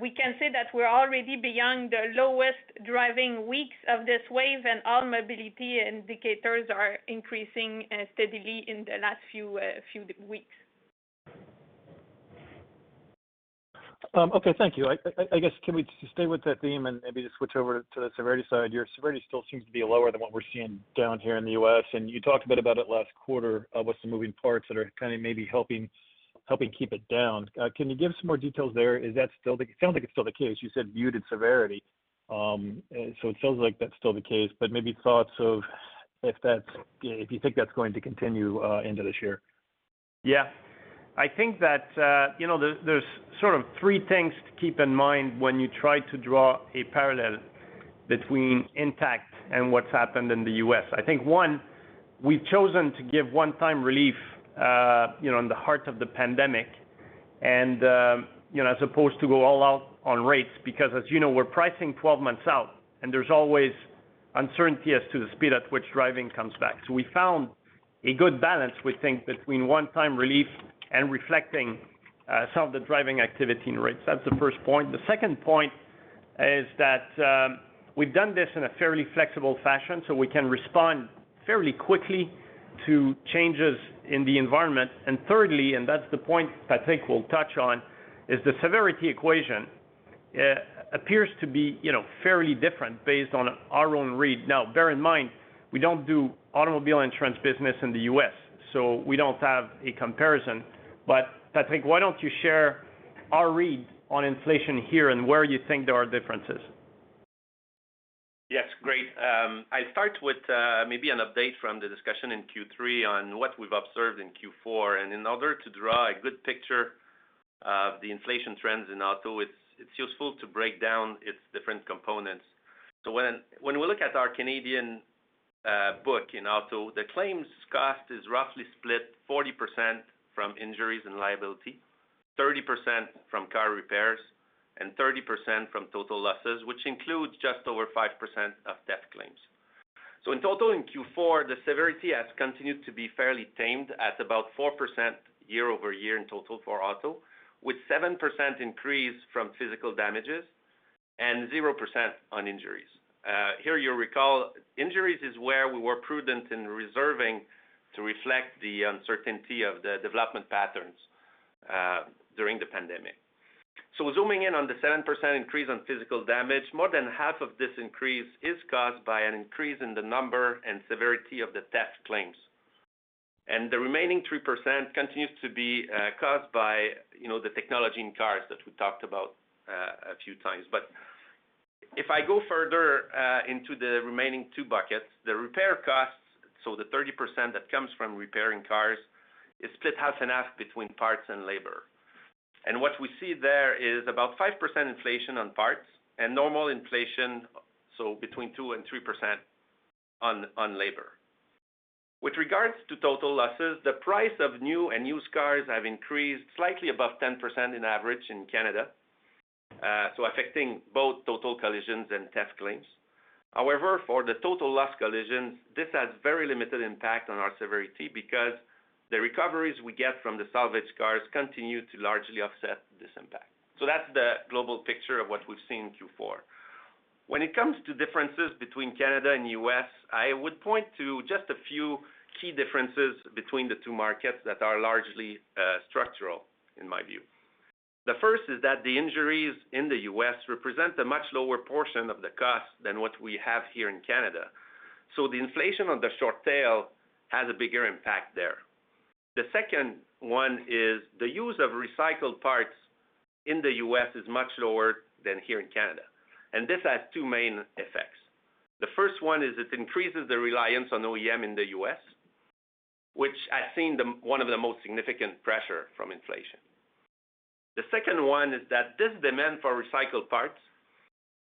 we can say that we're already beyond the lowest driving weeks of this wave, and all mobility indicators are increasing steadily in the last few weeks. Okay, thank you. I guess, can we stay with that theme and maybe just switch over to the severity side? Your severity still seems to be lower than what we're seeing down here in the U.S. You talked a bit about it last quarter, about some moving parts that are kind of maybe helping keep it down. Can you give some more details there? Is that still the case? It sounds like it's still the case. You said muted severity. So it feels like that's still the case, but maybe thoughts of if that's, if you think that's going to continue into this year. Yeah. I think that, you know, there's sort of three things to keep in mind when you try to draw a parallel between Intact and what's happened in the U.S. I think, one, we've chosen to give one-time relief, you know, in the heart of the pandemic and, you know, as opposed to go all out on rates, because as you know, we're pricing 12 months out and there's always uncertainty as to the speed at which driving comes back. So we found a good balance, we think, between one-time relief and reflecting, some of the driving activity in rates. That's the first point. The second point is that, we've done this in a fairly flexible fashion, so we can respond fairly quickly to changes in the environment. And thirdly, and that's the point Patrick will touch on, is the severity equation appears to be, you know, fairly different based on our own read. Now, bear in mind, we don't do automobile insurance business in the U.S., so we don't have a comparison. Patrick, why don't you share our read on inflation here and where you think there are differences? Yes, great. I'll start with maybe an update from the discussion in Q3 on what we've observed in Q4. In order to draw a good picture of the inflation trends in auto, it's useful to break down its different components. When we look at our Canadian book in auto, the claims cost is roughly split 40% from injuries and liability, 30% from car repairs, and 30% from total losses, which includes just over 5% of theft claims. So in total in Q4, the severity has continued to be fairly tamed at about 4% year-over-year in total for auto, with 7% increase from physical damages and 0% on injuries. Here you'll recall injuries is where we were prudent in reserving to reflect the uncertainty of the development patterns during the pandemic. Zooming in on the 7% increase on physical damage, more than half of this increase is caused by an increase in the number and severity of the theft claims. The remaining 3% continues to be caused by the technology in cars that we talked about a few times. If I go further into the remaining two buckets, the repair costs, so the 30% that comes from repairing cars, is split half and half between parts and labor. What we see there is about 5% inflation on parts and normal inflation, so between 2%-3% on labor. With regards to total losses, the price of new and used cars have increased slightly above 10% on average in Canada, so affecting both total collisions and theft claims. However, for the total loss collisions, this has very limited impact on our severity because the recoveries we get from the salvaged cars continue to largely offset this impact. That's the global picture of what we've seen in Q4. When it comes to differences between Canada and U.S., I would point to just a few key differences between the two markets that are largely structural in my view. The first is that the injuries in the U.S. represent a much lower portion of the cost than what we have here in Canada. The inflation on the short tail has a bigger impact there. The second one is the use of recycled parts in the U.S. is much lower than here in Canada, and this has two main effects. The first one is it increases the reliance on OEM in the U.S., which has seen one of the most significant pressure from inflation. The second one is that this demand for recycled parts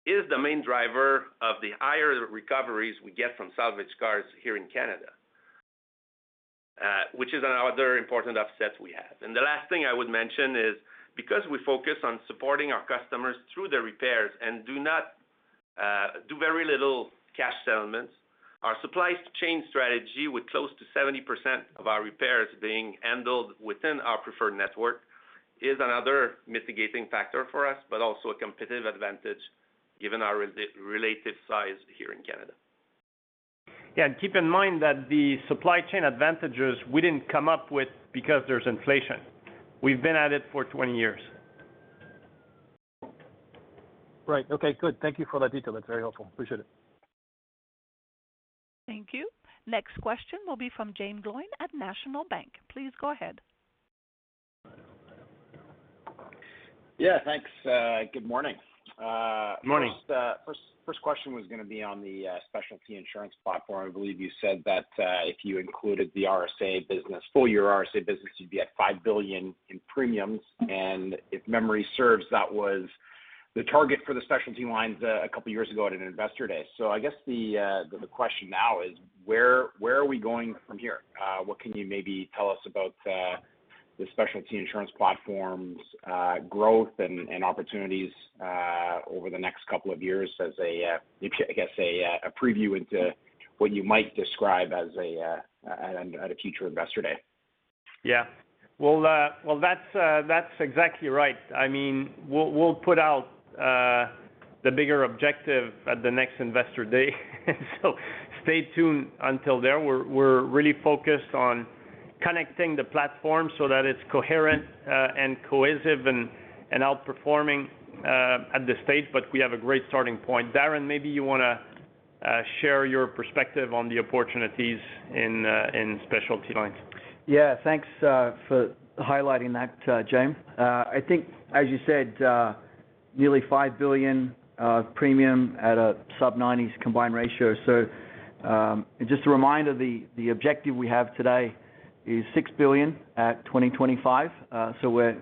is the main driver of the higher recoveries we get from salvaged cars here in Canada, which is another important offset we have. The last thing I would mention is because we focus on supporting our customers through the repairs and do not do very little cash settlements, our supply chain strategy with close to 70% of our repairs being handled within our preferred network is another mitigating factor for us, but also a competitive advantage given our relative size here in Canada. Yeah, keep in mind that the supply chain advantages we didn't come up with because there's inflation. We've been at it for 20 years. Right. Okay, good. Thank you for that detail. That's very helpful. Appreciate it. Thank you. Next question will be from Jaeme Gloyn at National Bank. Please go ahead. Yeah, thanks. Good morning. Morning. First question was gonna be on the specialty insurance platform. I believe you said that if you included the RSA business, full year RSA business, you'd be at 5 billion in premiums. If memory serves, that was the target for the specialty lines a couple of years ago at an Investor Day. So I guess the question now is where are we going from here. What can you maybe tell us about the specialty insurance platform's growth and opportunities over the next couple of years as a preview into what you might describe at a future Investor Day? Yeah. Well, that's exactly right. I mean, we'll put out the bigger objective at the next Investor Day, so stay tuned until then. We're really focused on connecting the platform so that it's coherent and cohesive and outperforming at this stage, but we have a great starting point. Darren, maybe you wanna share your perspective on the opportunities in specialty lines. Yeah. Thanks for highlighting that, Jaeme. I think as you said, nearly 5 billion of premium at a sub-90s combined ratio. Just a reminder, the objective we have today is 6 billion at 2025. So we're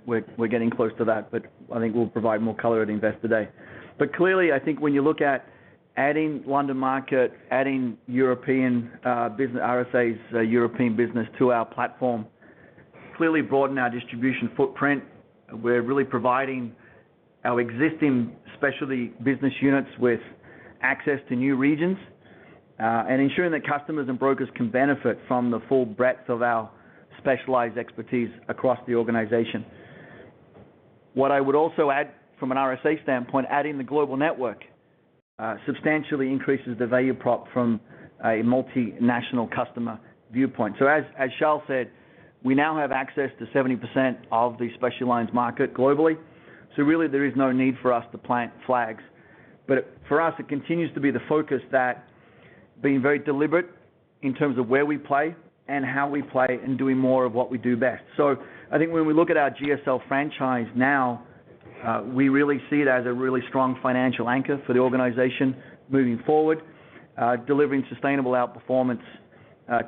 getting close to that, but I think we'll provide more color at Investor Day. Clearly, I think when you look at adding London Market, adding European business, RSA's European business to our platform, clearly broaden our distribution footprint. We're really providing our existing specialty business units with access to new regions, and ensuring that customers and brokers can benefit from the full breadth of our specialized expertise across the organization. What I would also add from an RSA standpoint, adding the global network, substantially increases the value prop from a multinational customer viewpoint. As Charles said, we now have access to 70% of the specialty lines market globally. So really there is no need for us to plant flags. For us, it continues to be the focus that being very deliberate in terms of where we play and how we play and doing more of what we do best. I think when we look at our GSL franchise now, we really see it as a really strong financial anchor for the organization moving forward, delivering sustainable outperformance,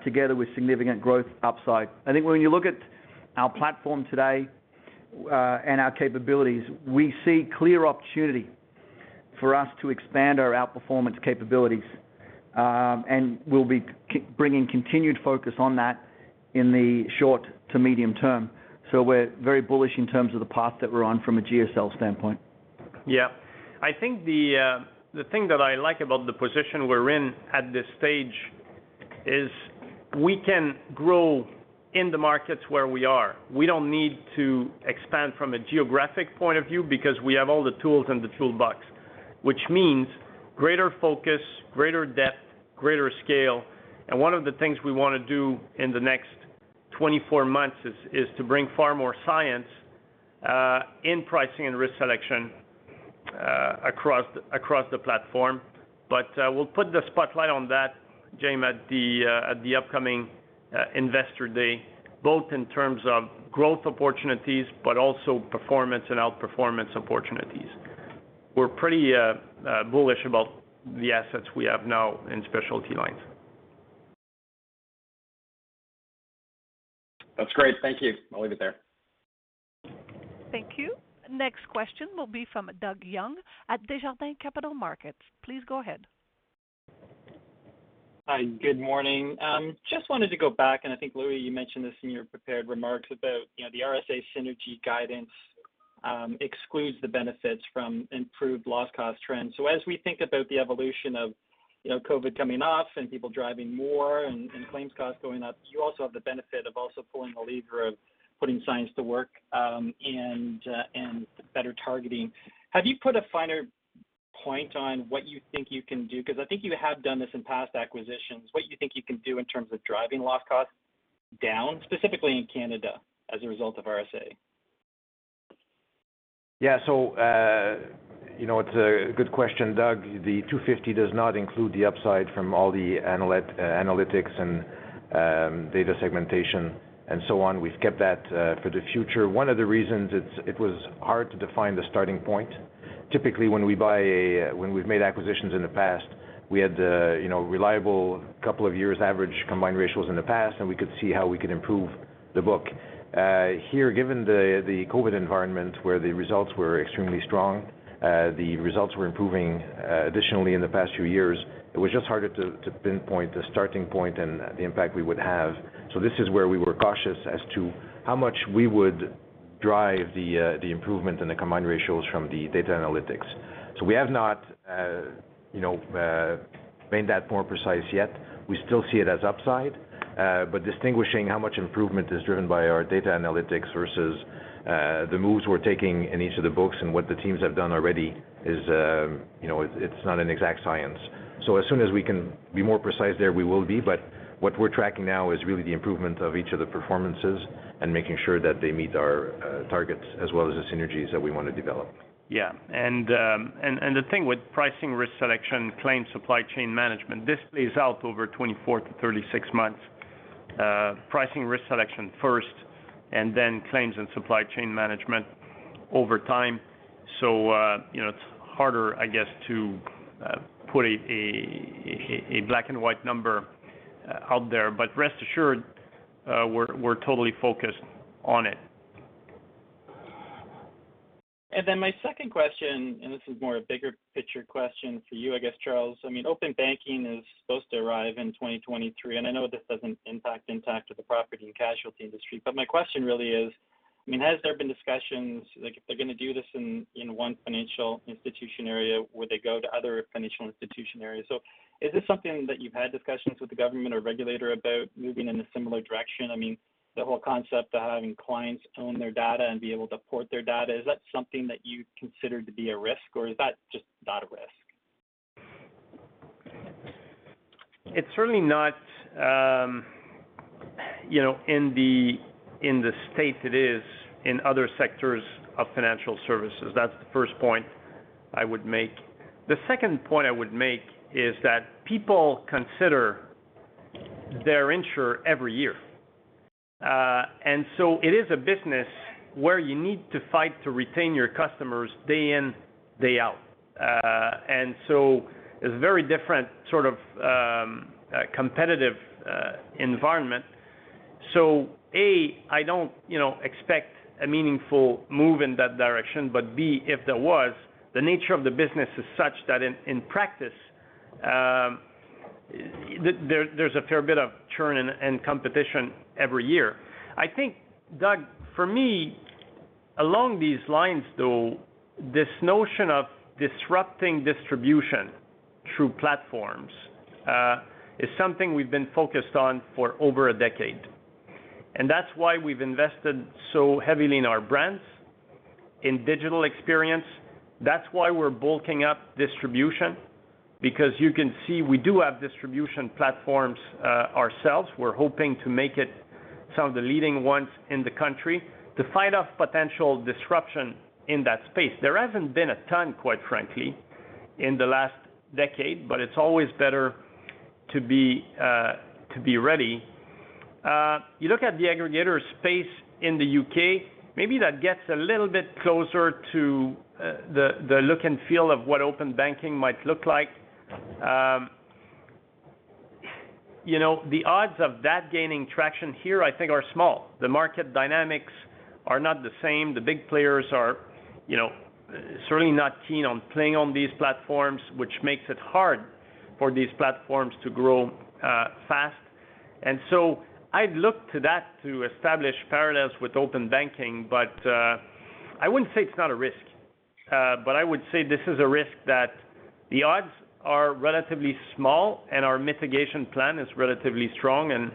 together with significant growth upside. I think when you look at our platform today, and our capabilities, we see clear opportunity for us to expand our outperformance capabilities, and we'll be bringing continued focus on that in the short to medium term. We're very bullish in terms of the path that we're on from a GSL standpoint. Yeah. I think the thing that I like about the position we're in at this stage is we can grow in the markets where we are. We don't need to expand from a geographic point of view because we have all the tools in the toolbox. Which means greater focus, greater depth, greater scale. And one of the things we wanna do in the next 24 months is to bring far more science in pricing and risk selection across the platform. We'll put the spotlight on that, Jaeme, at the upcoming Investor Day, both in terms of growth opportunities, but also performance and outperformance opportunities. We're pretty bullish about the assets we have now in specialty lines. That's great. Thank you. I'll leave it there. Thank you. Next question will be from Doug Young at Desjardins Capital Markets. Please go ahead. Hi, good morning. Just wanted to go back, and I think, Louis, you mentioned this in your prepared remarks about, you know, the RSA synergy guidance, excludes the benefits from improved loss cost trends. As we think about the evolution of, you know, COVID coming off and people driving more and claims costs going up, you also have the benefit of also pulling the lever of putting science to work, and better targeting. Have you put a finer point on what you think you can do? 'Cause I think you have done this in past acquisitions, what you think you can do in terms of driving loss costs down, specifically in Canada, as a result of RSA. It's a good question, Doug. The 250 million does not include the upside from all the analytics and data segmentation and so on. We've kept that for the future. One of the reasons it was hard to define the starting point. Typically, when we've made acquisitions in the past, we had the reliable couple of years average combined ratios in the past, and we could see how we could improve the book. Here, given the COVID environment, where the results were extremely strong, the results were improving additionally in the past few years, it was just harder to pinpoint the starting point and the impact we would have. This is where we were cautious as to how much we would drive the improvement in the combined ratios from the data analytics. So we have not, you know, made that more precise yet. We still see it as upside, but distinguishing how much improvement is driven by our data analytics versus the moves we're taking in each of the books and what the teams have done already is, you know, it's not an exact science. So as soon as we can be more precise there, we will be. But what we're tracking now is really the improvement of each of the performances and making sure that they meet our targets as well as the synergies that we wanna develop. Yeah, and the thing with pricing risk selection, claims supply chain management, this plays out over 24 months to 36 months. Pricing risk selection first, and then claims and supply chain management over time. So you know, it's harder, I guess, to put a black-and-white number out there. But rest assured, we're totally focused on it. And my second question, and this is more a bigger picture question for you, I guess, Charles. I mean, open banking is supposed to arrive in 2023, and I know this doesn't impact Intact or the property and casualty industry. But my question really is, I mean, has there been discussions, like if they're gonna do this in one financial institution area, would they go to other financial institution areas? Is this something that you've had discussions with the government or regulator about moving in a similar direction? I mean, the whole concept of having clients own their data and be able to port their data, is that something that you'd consider to be a risk, or is that just not a risk? It's certainly not, you know, in the state it is in other sectors of financial services. That's the first point I would make. The second point I would make is that people consider their insurer every year. It is a business where you need to fight to retain your customers day in, day out. It's very different sort of competitive environment. So A, I don't, you know, expect a meaningful move in that direction. B, if there was, the nature of the business is such that in practice, there's a fair bit of churn and competition every year. I think, Doug, for me, along these lines, though, this notion of disrupting distribution through platforms is something we've been focused on for over a decade. That's why we've invested so heavily in our brands, in digital experience. That's why we're bulking up distribution, because you can see we do have distribution platforms, ourselves. We're hoping to make it some of the leading ones in the country to fight off potential disruption in that space. There hasn't been a ton, quite frankly, in the last decade, but it's always better to be ready. You look at the aggregator space in the U.K., maybe that gets a little bit closer to the look and feel of what open banking might look like. You know, the odds of that gaining traction here, I think, are small. The market dynamics are not the same. The big players are, you know, certainly not keen on playing on these platforms, which makes it hard for these platforms to grow, fast. And so I'd look to that to establish parallels with open banking. I wouldn't say it's not a risk. I would say this is a risk that the odds are relatively small and our mitigation plan is relatively strong, and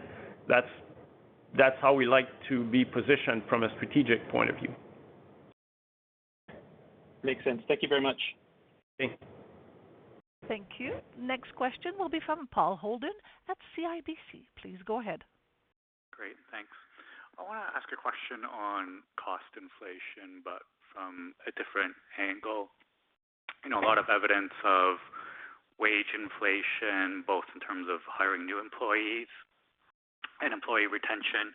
that's how we like to be positioned from a strategic point of view. Makes sense. Thank you very much. Thanks. Thank you. Next question will be from Paul Holden at CIBC. Please go ahead. Great. Thanks. I wanna ask a question on cost inflation, but from a different angle. You know, a lot of evidence of wage inflation, both in terms of hiring new employees and employee retention.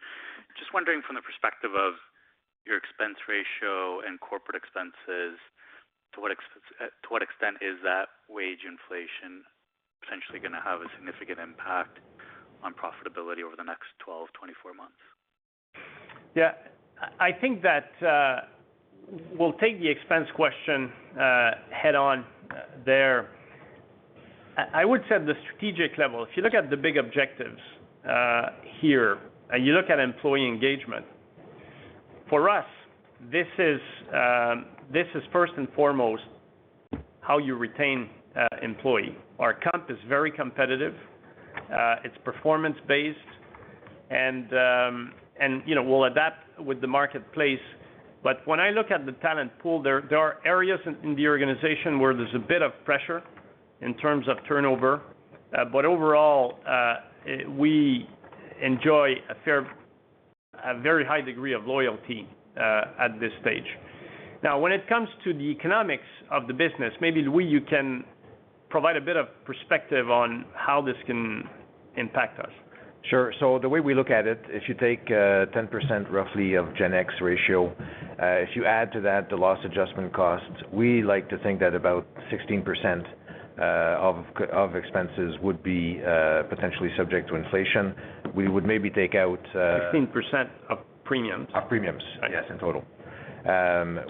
Just wondering from the perspective of your expense ratio and corporate expenses, to what extent is that wage inflation potentially gonna have a significant impact on profitability over the next 12 months to 24 months? Yeah. I think that we'll take the expense question head on there. I would say at the strategic level, if you look at the big objectives here, and you look at employee engagement. For us, this is first and foremost how you retain employee. Our comp is very competitive. It's performance-based. And you know, we'll adapt with the marketplace. But when I look at the talent pool there are areas in the organization where there's a bit of pressure in terms of turnover. But overall, we enjoy a very high degree of loyalty at this stage. Now, when it comes to the economics of the business, maybe Louis, you can provide a bit of perspective on how this can impact us. Sure. The way we look at it, if you take 10% roughly of G&A expense ratio, if you add to that the loss adjustment costs, we like to think that about 16% of expenses would be potentially subject to inflation. We would maybe take out. 16% of premiums. Of premiums, yes, in total,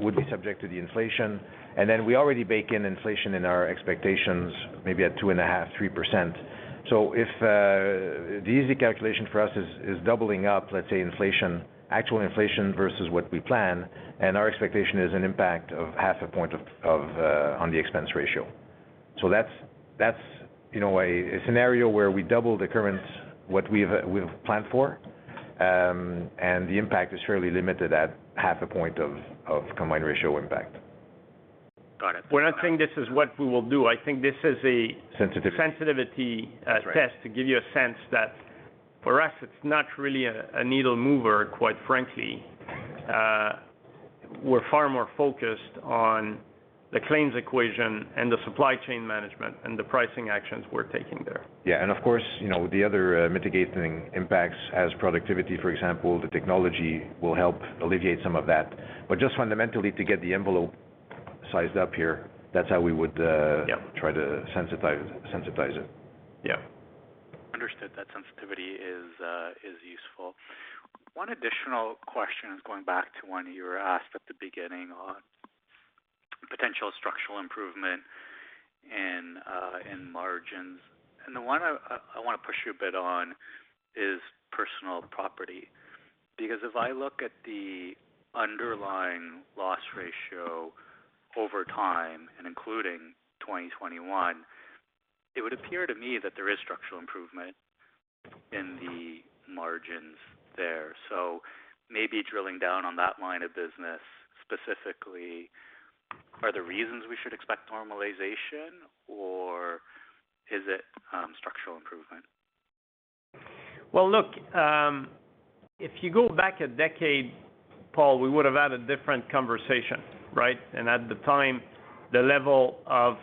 would be subject to the inflation. Then we already bake in inflation in our expectations, maybe at 2.5%-3%. If the easy calculation for us is doubling up, let's say, inflation, actual inflation versus what we plan, and our expectation is an impact of half a point of on the expense ratio. That's you know, a scenario where we double the current, what we've planned for, and the impact is fairly limited at half a point of combined ratio impact. Got it. We're not saying this is what we will do. I think this is. Sensitivity Sensitivity test to give you a sense that for us, it's not really a needle mover, quite frankly. We're far more focused on the claims equation and the supply chain management and the pricing actions we're taking there. Yeah. And of course, you know, the other mitigating impacts such as productivity, for example, the technology will help alleviate some of that. Just fundamentally, to get the envelope sized up here, that's how we would. Yeah. Try to sensitize it. Yeah. Understood. That sensitivity is useful. One additional question is going back to one you were asked at the beginning on potential structural improvement in margins. The one I wanna push you a bit on is personal property. Because if I look at the underlying loss ratio over time and including 2021, it would appear to me that there is structural improvement in the margins there. Maybe drilling down on that line of business specifically, are there reasons we should expect normalization, or is it structural improvement? Well, look, if you go back a decade, Paul, we would have had a different conversation, right? At the time, the level of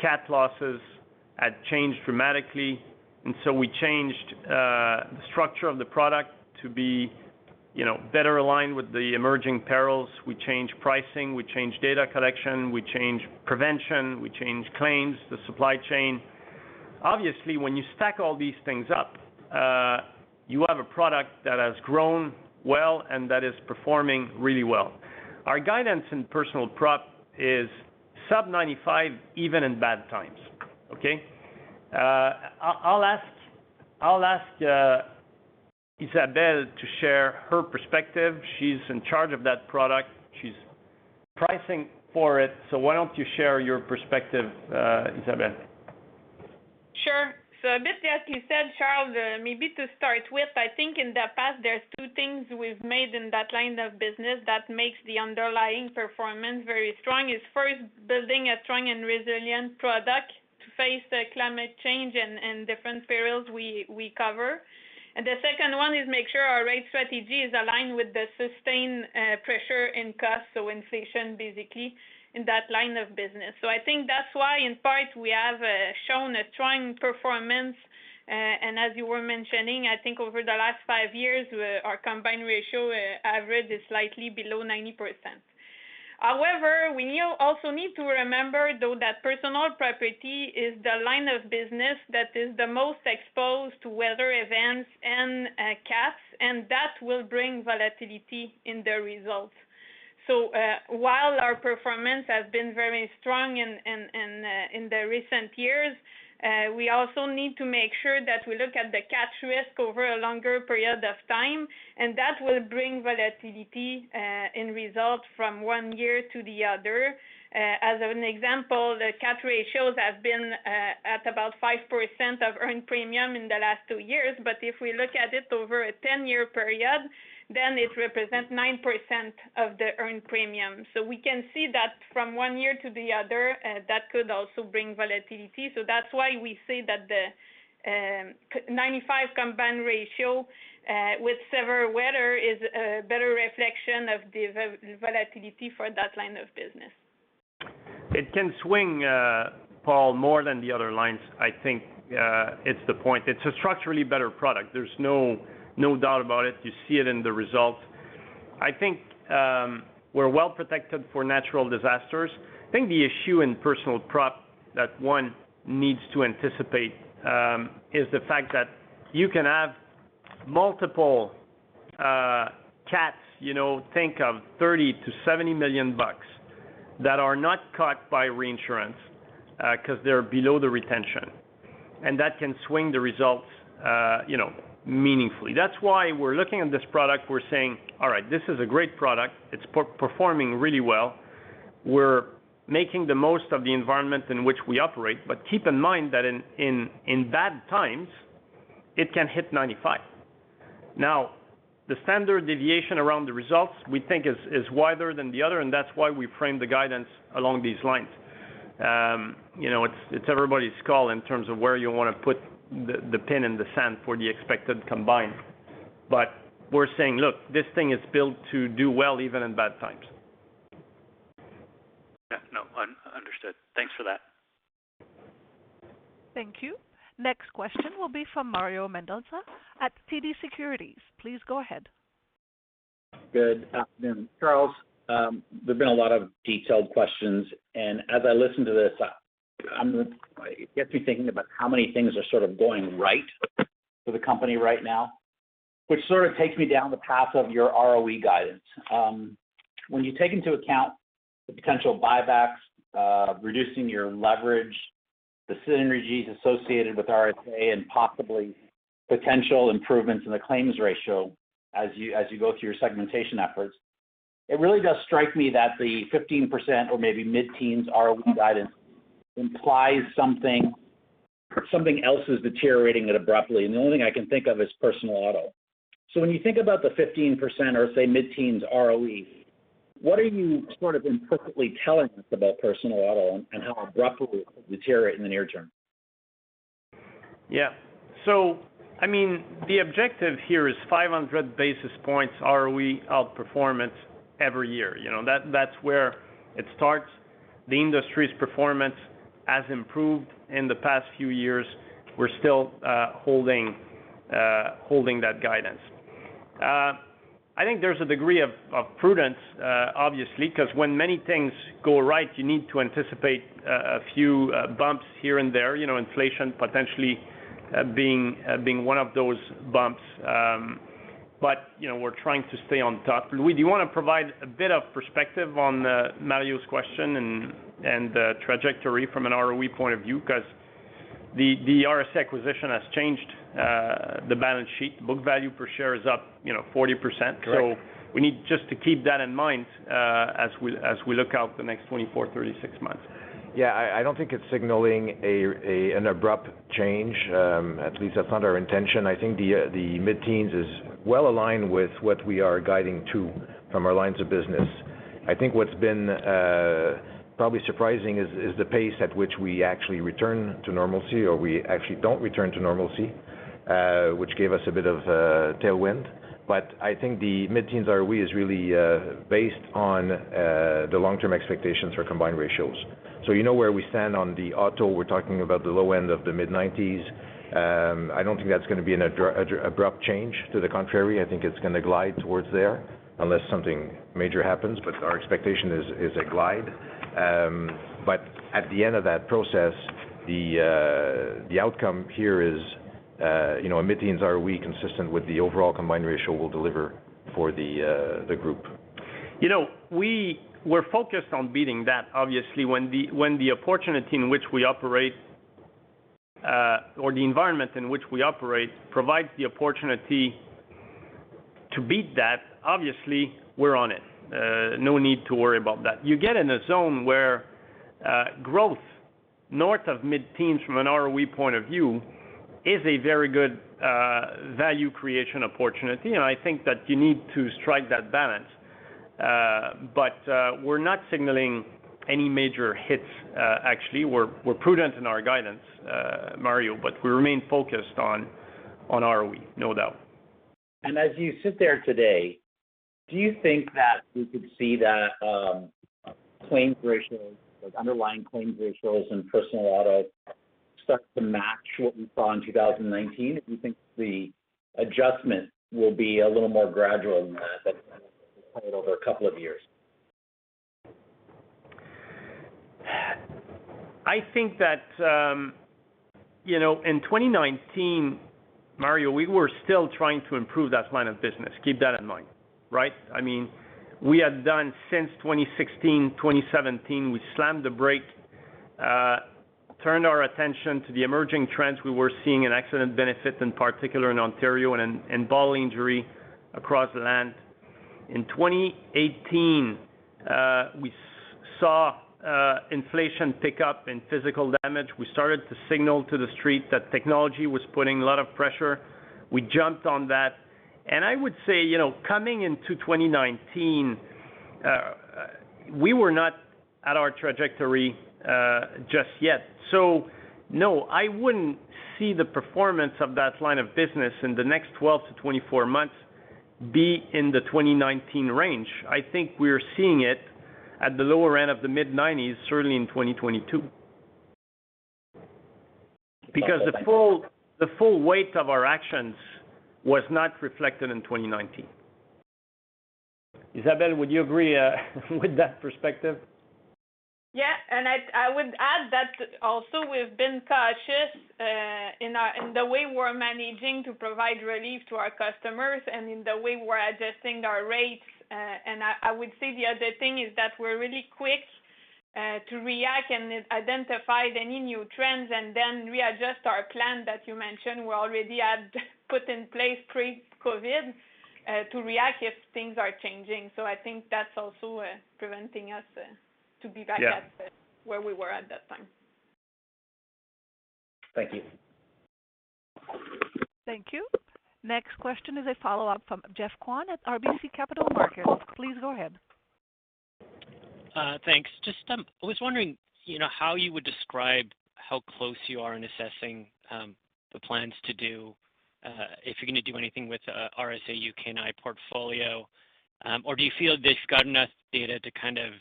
CAT losses had changed dramatically, and we changed the structure of the product to be, you know, better aligned with the emerging perils. We changed pricing, we changed data collection, we changed prevention, we changed claims, the supply chain. Obviously, when you stack all these things up, you have a product that has grown well and that is performing really well. Our guidance in personal prop is sub-95 even in bad times, okay? I'll ask Isabelle to share her perspective. She's in charge of that product. She's pricing for it. Why don't you share your perspective, Isabelle? Sure. A bit, as you said, Charles, maybe to start with, I think in the past, there's two things we've made in that line of business that makes the underlying performance very strong, is first building a strong and resilient product to face the climate change and different perils we cover. And the second one is make sure our rate strategy is aligned with the sustained pressure in costs, so inflation, basically, in that line of business. So I think that's why, in part, we have shown a strong performance. As you were mentioning, I think over the last five years, our combined ratio average is slightly below 90%. However, we also need to remember, though, that personal property is the line of business that is the most exposed to weather events and CATs, and that will bring volatility in the results. So while our performance has been very strong in the recent years, we also need to make sure that we look at the CAT risk over a longer period of time, and that will bring volatility in results from one year to the other. As an example, the CAT ratios have been at about 5% of earned premium in the last two years. If we look at it over a 10-year period, then it represents 9% of the earned premium. We can see that from one year to the other, that could also bring volatility. That's why we say that the 95 combined ratio with severe weather is a better reflection of the volatility for that line of business. It can swing, Paul, more than the other lines. I think it's the point. It's a structurally better product. There's no doubt about it. You see it in the results. I think we're well-protected for natural disasters. I think the issue in personal prop that one needs to anticipate is the fact that you can have multiple CATs, you know, think of 30 million-70 million bucks that are not caught by reinsurance, 'cause they're below the retention, and that can swing the results, you know, meaningfully. That's why we're looking at this product. We're saying, "All right, this is a great product. It's performing really well. We're making the most of the environment in which we operate." Keep in mind that in bad times, it can hit 95%. Now, the standard deviation around the results we think is wider than the other, and that's why we frame the guidance along these lines. You know, it's everybody's call in terms of where you wanna put the pin in the sand for the expected combined. We're saying, "Look, this thing is built to do well even in bad times." Yeah, no, understood. Thanks for that. Thank you. Next question will be from Mario Mendonca at TD Securities. Please go ahead. Good afternoon, Charles. There've been a lot of detailed questions, and as I listen to this, it gets me thinking about how many things are sort of going right for the company right now, which sort of takes me down the path of your ROE guidance. When you take into account the potential buybacks, reducing your leverage, the synergies associated with RSA and possibly potential improvements in the claims ratio as you go through your segmentation efforts, it really does strike me that the 15% or maybe mid-teens ROE guidance implies something else is deteriorating it abruptly, and the only thing I can think of is personal auto. When you think about the 15% or, say, mid-teens ROE, what are you sort of implicitly telling us about personal auto and how abruptly it could deteriorate in the near term? Yeah. I mean, the objective here is 500 basis points ROE outperformance every year. You know, that's where it starts. The industry's performance has improved in the past few years. We're still holding that guidance. I think there's a degree of prudence, obviously, 'cause when many things go right, you need to anticipate a few bumps here and there, you know, inflation potentially being one of those bumps. But you know, we're trying to stay on top. Louis, do you wanna provide a bit of perspective on Mario's question and the trajectory from an ROE point of view? 'Cause the RSA acquisition has changed the balance sheet. Book value per share is up, you know, 40%. Correct. We need just to keep that in mind, as we look over the next 24 months to 36 months. Yeah, I don't think it's signaling an abrupt change. At least that's not our intention. I think the mid-teens is well-aligned with what we are guiding to from our lines of business. I think what's been probably surprising is the pace at which we actually return to normalcy or we actually don't return to normalcy, which gave us a bit of a tailwind. But I think the mid-teens ROE is really based on the long-term expectations for combined ratios. You know where we stand on the auto, we're talking about the low end of the mid-90s. I don't think that's gonna be an abrupt change. To the contrary, I think it's gonna glide towards there unless something major happens, but our expectation is a glide. At the end of that process, the outcome here is, you know, a mid-teens ROE consistent with the overall combined ratio we'll deliver for the group. You know, we're focused on beating that, obviously. When the opportunity in which we operate, or the environment in which we operate provides the opportunity to beat that, obviously, we're on it. No need to worry about that. You get in a zone where growth north of mid-teens from an ROE point of view is a very good value creation opportunity, and I think that you need to strike that balance. We're not signaling any major hits, actually. We're prudent in our guidance, Mario, but we remain focused on ROE, no doubt. As you sit there today, do you think that we could see the claims ratios, like underlying claims ratios and personal auto start to match what we saw in 2019? Do you think the adjustment will be a little more gradual than that kind of over a couple of years? I think that, you know, in 2019, Mario, we were still trying to improve that line of business. Keep that in mind, right? I mean, we had done since 2016, 2017, we slammed the brake, turned our attention to the emerging trends we were seeing in accident benefits, in particular in Ontario and in bodily injury across the land. In 2018, we saw inflation pick up in physical damage. We started to signal to The Street that technology was putting a lot of pressure. We jumped on that, and I would say, you know, coming into 2019, we were not at our trajectory just yet. No, I wouldn't see the performance of that line of business in the next 12 months to 24 months to be in the 2019 range. I think we're seeing it at the lower end of the mid-90s, certainly in 2022. Because the full weight of our actions was not reflected in 2019. Isabelle, would you agree with that perspective? I would add that also we've been cautious in the way we're managing to provide relief to our customers and in the way we're adjusting our rates. And I would say the other thing is that we're really quick to react and identify any new trends and then readjust our plan that you mentioned we already had put in place pre-COVID to react if things are changing. I think that's also preventing us to be back at. Yeah Where we were at that time. Thank you. Thank you. Next question is a follow-up from Geoff Kwan at RBC Capital Markets. Please go ahead. Thanks. Just, I was wondering, you know, how you would describe how close you are in assessing the plans to do if you're gonna do anything with RSA UK and I portfolio. Or do you feel that you've got enough data to kind of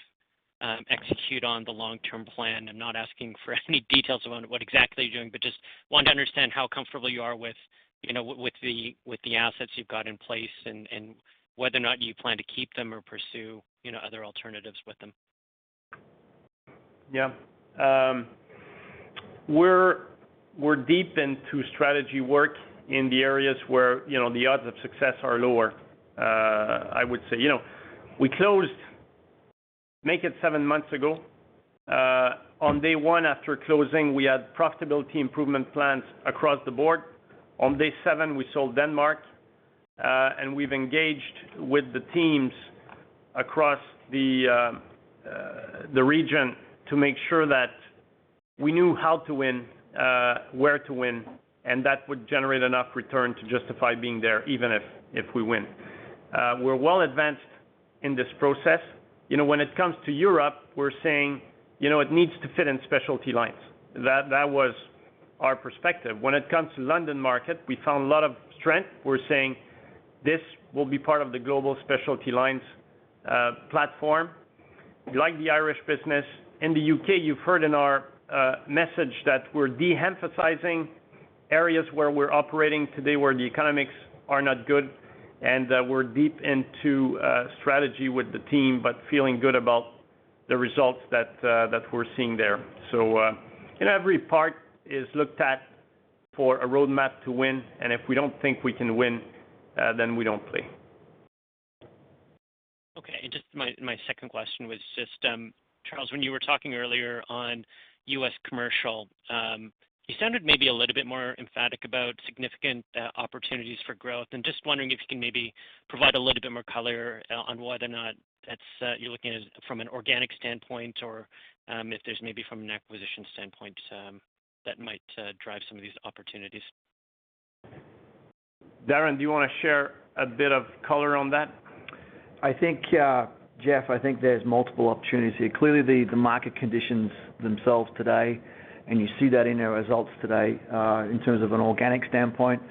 execute on the long-term plan? I'm not asking for any details about what exactly you're doing, but just want to understand how comfortable you are with, you know, with the assets you've got in place and whether or not you plan to keep them or pursue, you know, other alternatives with them. Yeah. We're deep into strategy work in the areas where, you know, the odds of success are lower, I would say. You know, we closed seven months ago. On day one after closing, we had profitability improvement plans across the board. On day seven, we sold Denmark. And we've engaged with the teams across the region to make sure that we knew how to win, where to win, and that would generate enough return to justify being there even if we win. We're well advanced in this process. You know, when it comes to Europe, we're saying, you know, it needs to fit in specialty lines. That was our perspective. When it comes to London market, we found a lot of strength. We're saying, this will be part of the global specialty lines platform. We like the Irish business. In the U.K., you've heard in our message that we're de-emphasizing areas where we're operating today, where the economics are not good, and we're deep into strategy with the team, but feeling good about the results that we're seeing there. You know, every part is looked at for a roadmap to win, and if we don't think we can win, then we don't play. Okay. Just my second question was just Charles, when you were talking earlier on U.S. commercial, you sounded maybe a little bit more emphatic about significant opportunities for growth. I'm just wondering if you can maybe provide a little bit more color on whether or not that's you're looking at from an organic standpoint or if there's maybe from an acquisition standpoint that might drive some of these opportunities. Darren, do you wanna share a bit of color on that? I think, Jeff, I think there's multiple opportunities here. Clearly, the market conditions themselves today, and you see that in our results today, in terms of an organic standpoint,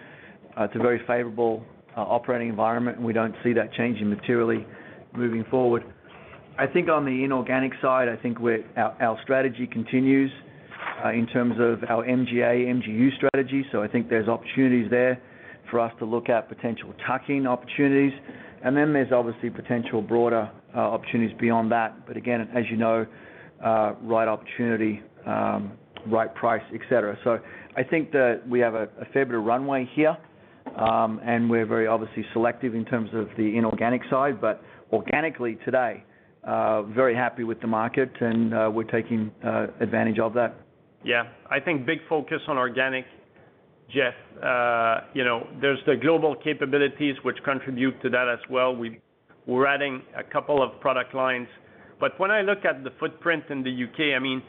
it's a very favorable operating environment, and we don't see that changing materially moving forward. I think on the inorganic side, our strategy continues, in terms of our MGA/MGU strategy. I think there's opportunities there for us to look at potential tuck-in opportunities. Then there's obviously potential broader opportunities beyond that. Again, as you know, right opportunity, right price, et cetera. I think that we have a fair bit of runway here, and we're very obviously selective in terms of the inorganic side. Organically today, very happy with the market and, we're taking advantage of that. Yeah. I think big focus on organic, Jeff. You know, there's the global capabilities which contribute to that as well. We're adding a couple of product lines. When I look at the footprint in the U.K., I mean,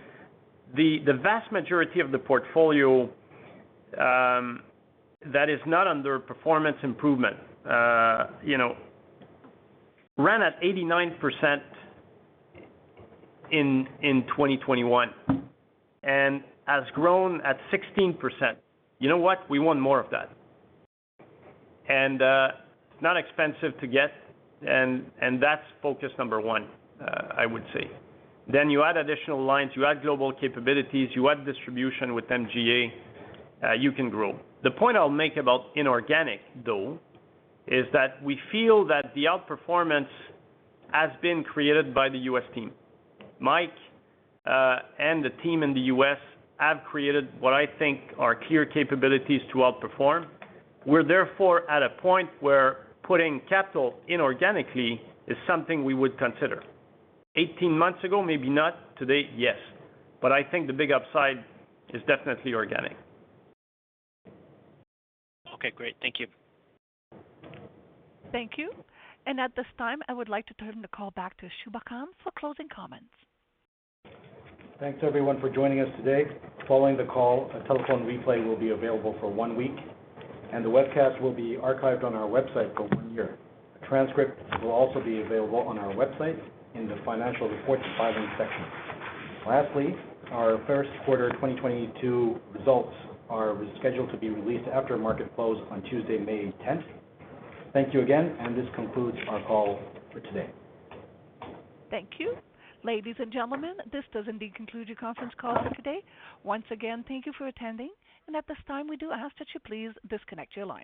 the vast majority of the portfolio that is not under performance improvement, you know, ran at 89% in 2021 and has grown at 16%. You know what? We want more of that. It's not expensive to get, and that's focus number one, I would say. You add additional lines, you add global capabilities, you add distribution with MGA, you can grow. The point I'll make about inorganic, though, is that we feel that the outperformance has been created by the U.S. team. Mike, and the team in the U.S. have created what I think are clear capabilities to outperform. We're therefore at a point where putting capital inorganically is something we would consider. 18 months ago, maybe not. Today, yes. I think the big upside is definitely organic. Okay, great. Thank you. Thank you. At this time, I would like to turn the call back to Shubha Khan for closing comments. Thanks everyone for joining us today. Following the call, a telephone replay will be available for one week, and the webcast will be archived on our website for one year. A transcript will also be available on our website in the Financial Reports and Filings section. Lastly, our first quarter 2022 results are scheduled to be released after market close on Tuesday, May 10th. Thank you again, and this concludes our call for today. Thank you. Ladies and gentlemen, this does indeed conclude your conference call for today. Once again, thank you for attending. At this time, we do ask that you please disconnect your lines.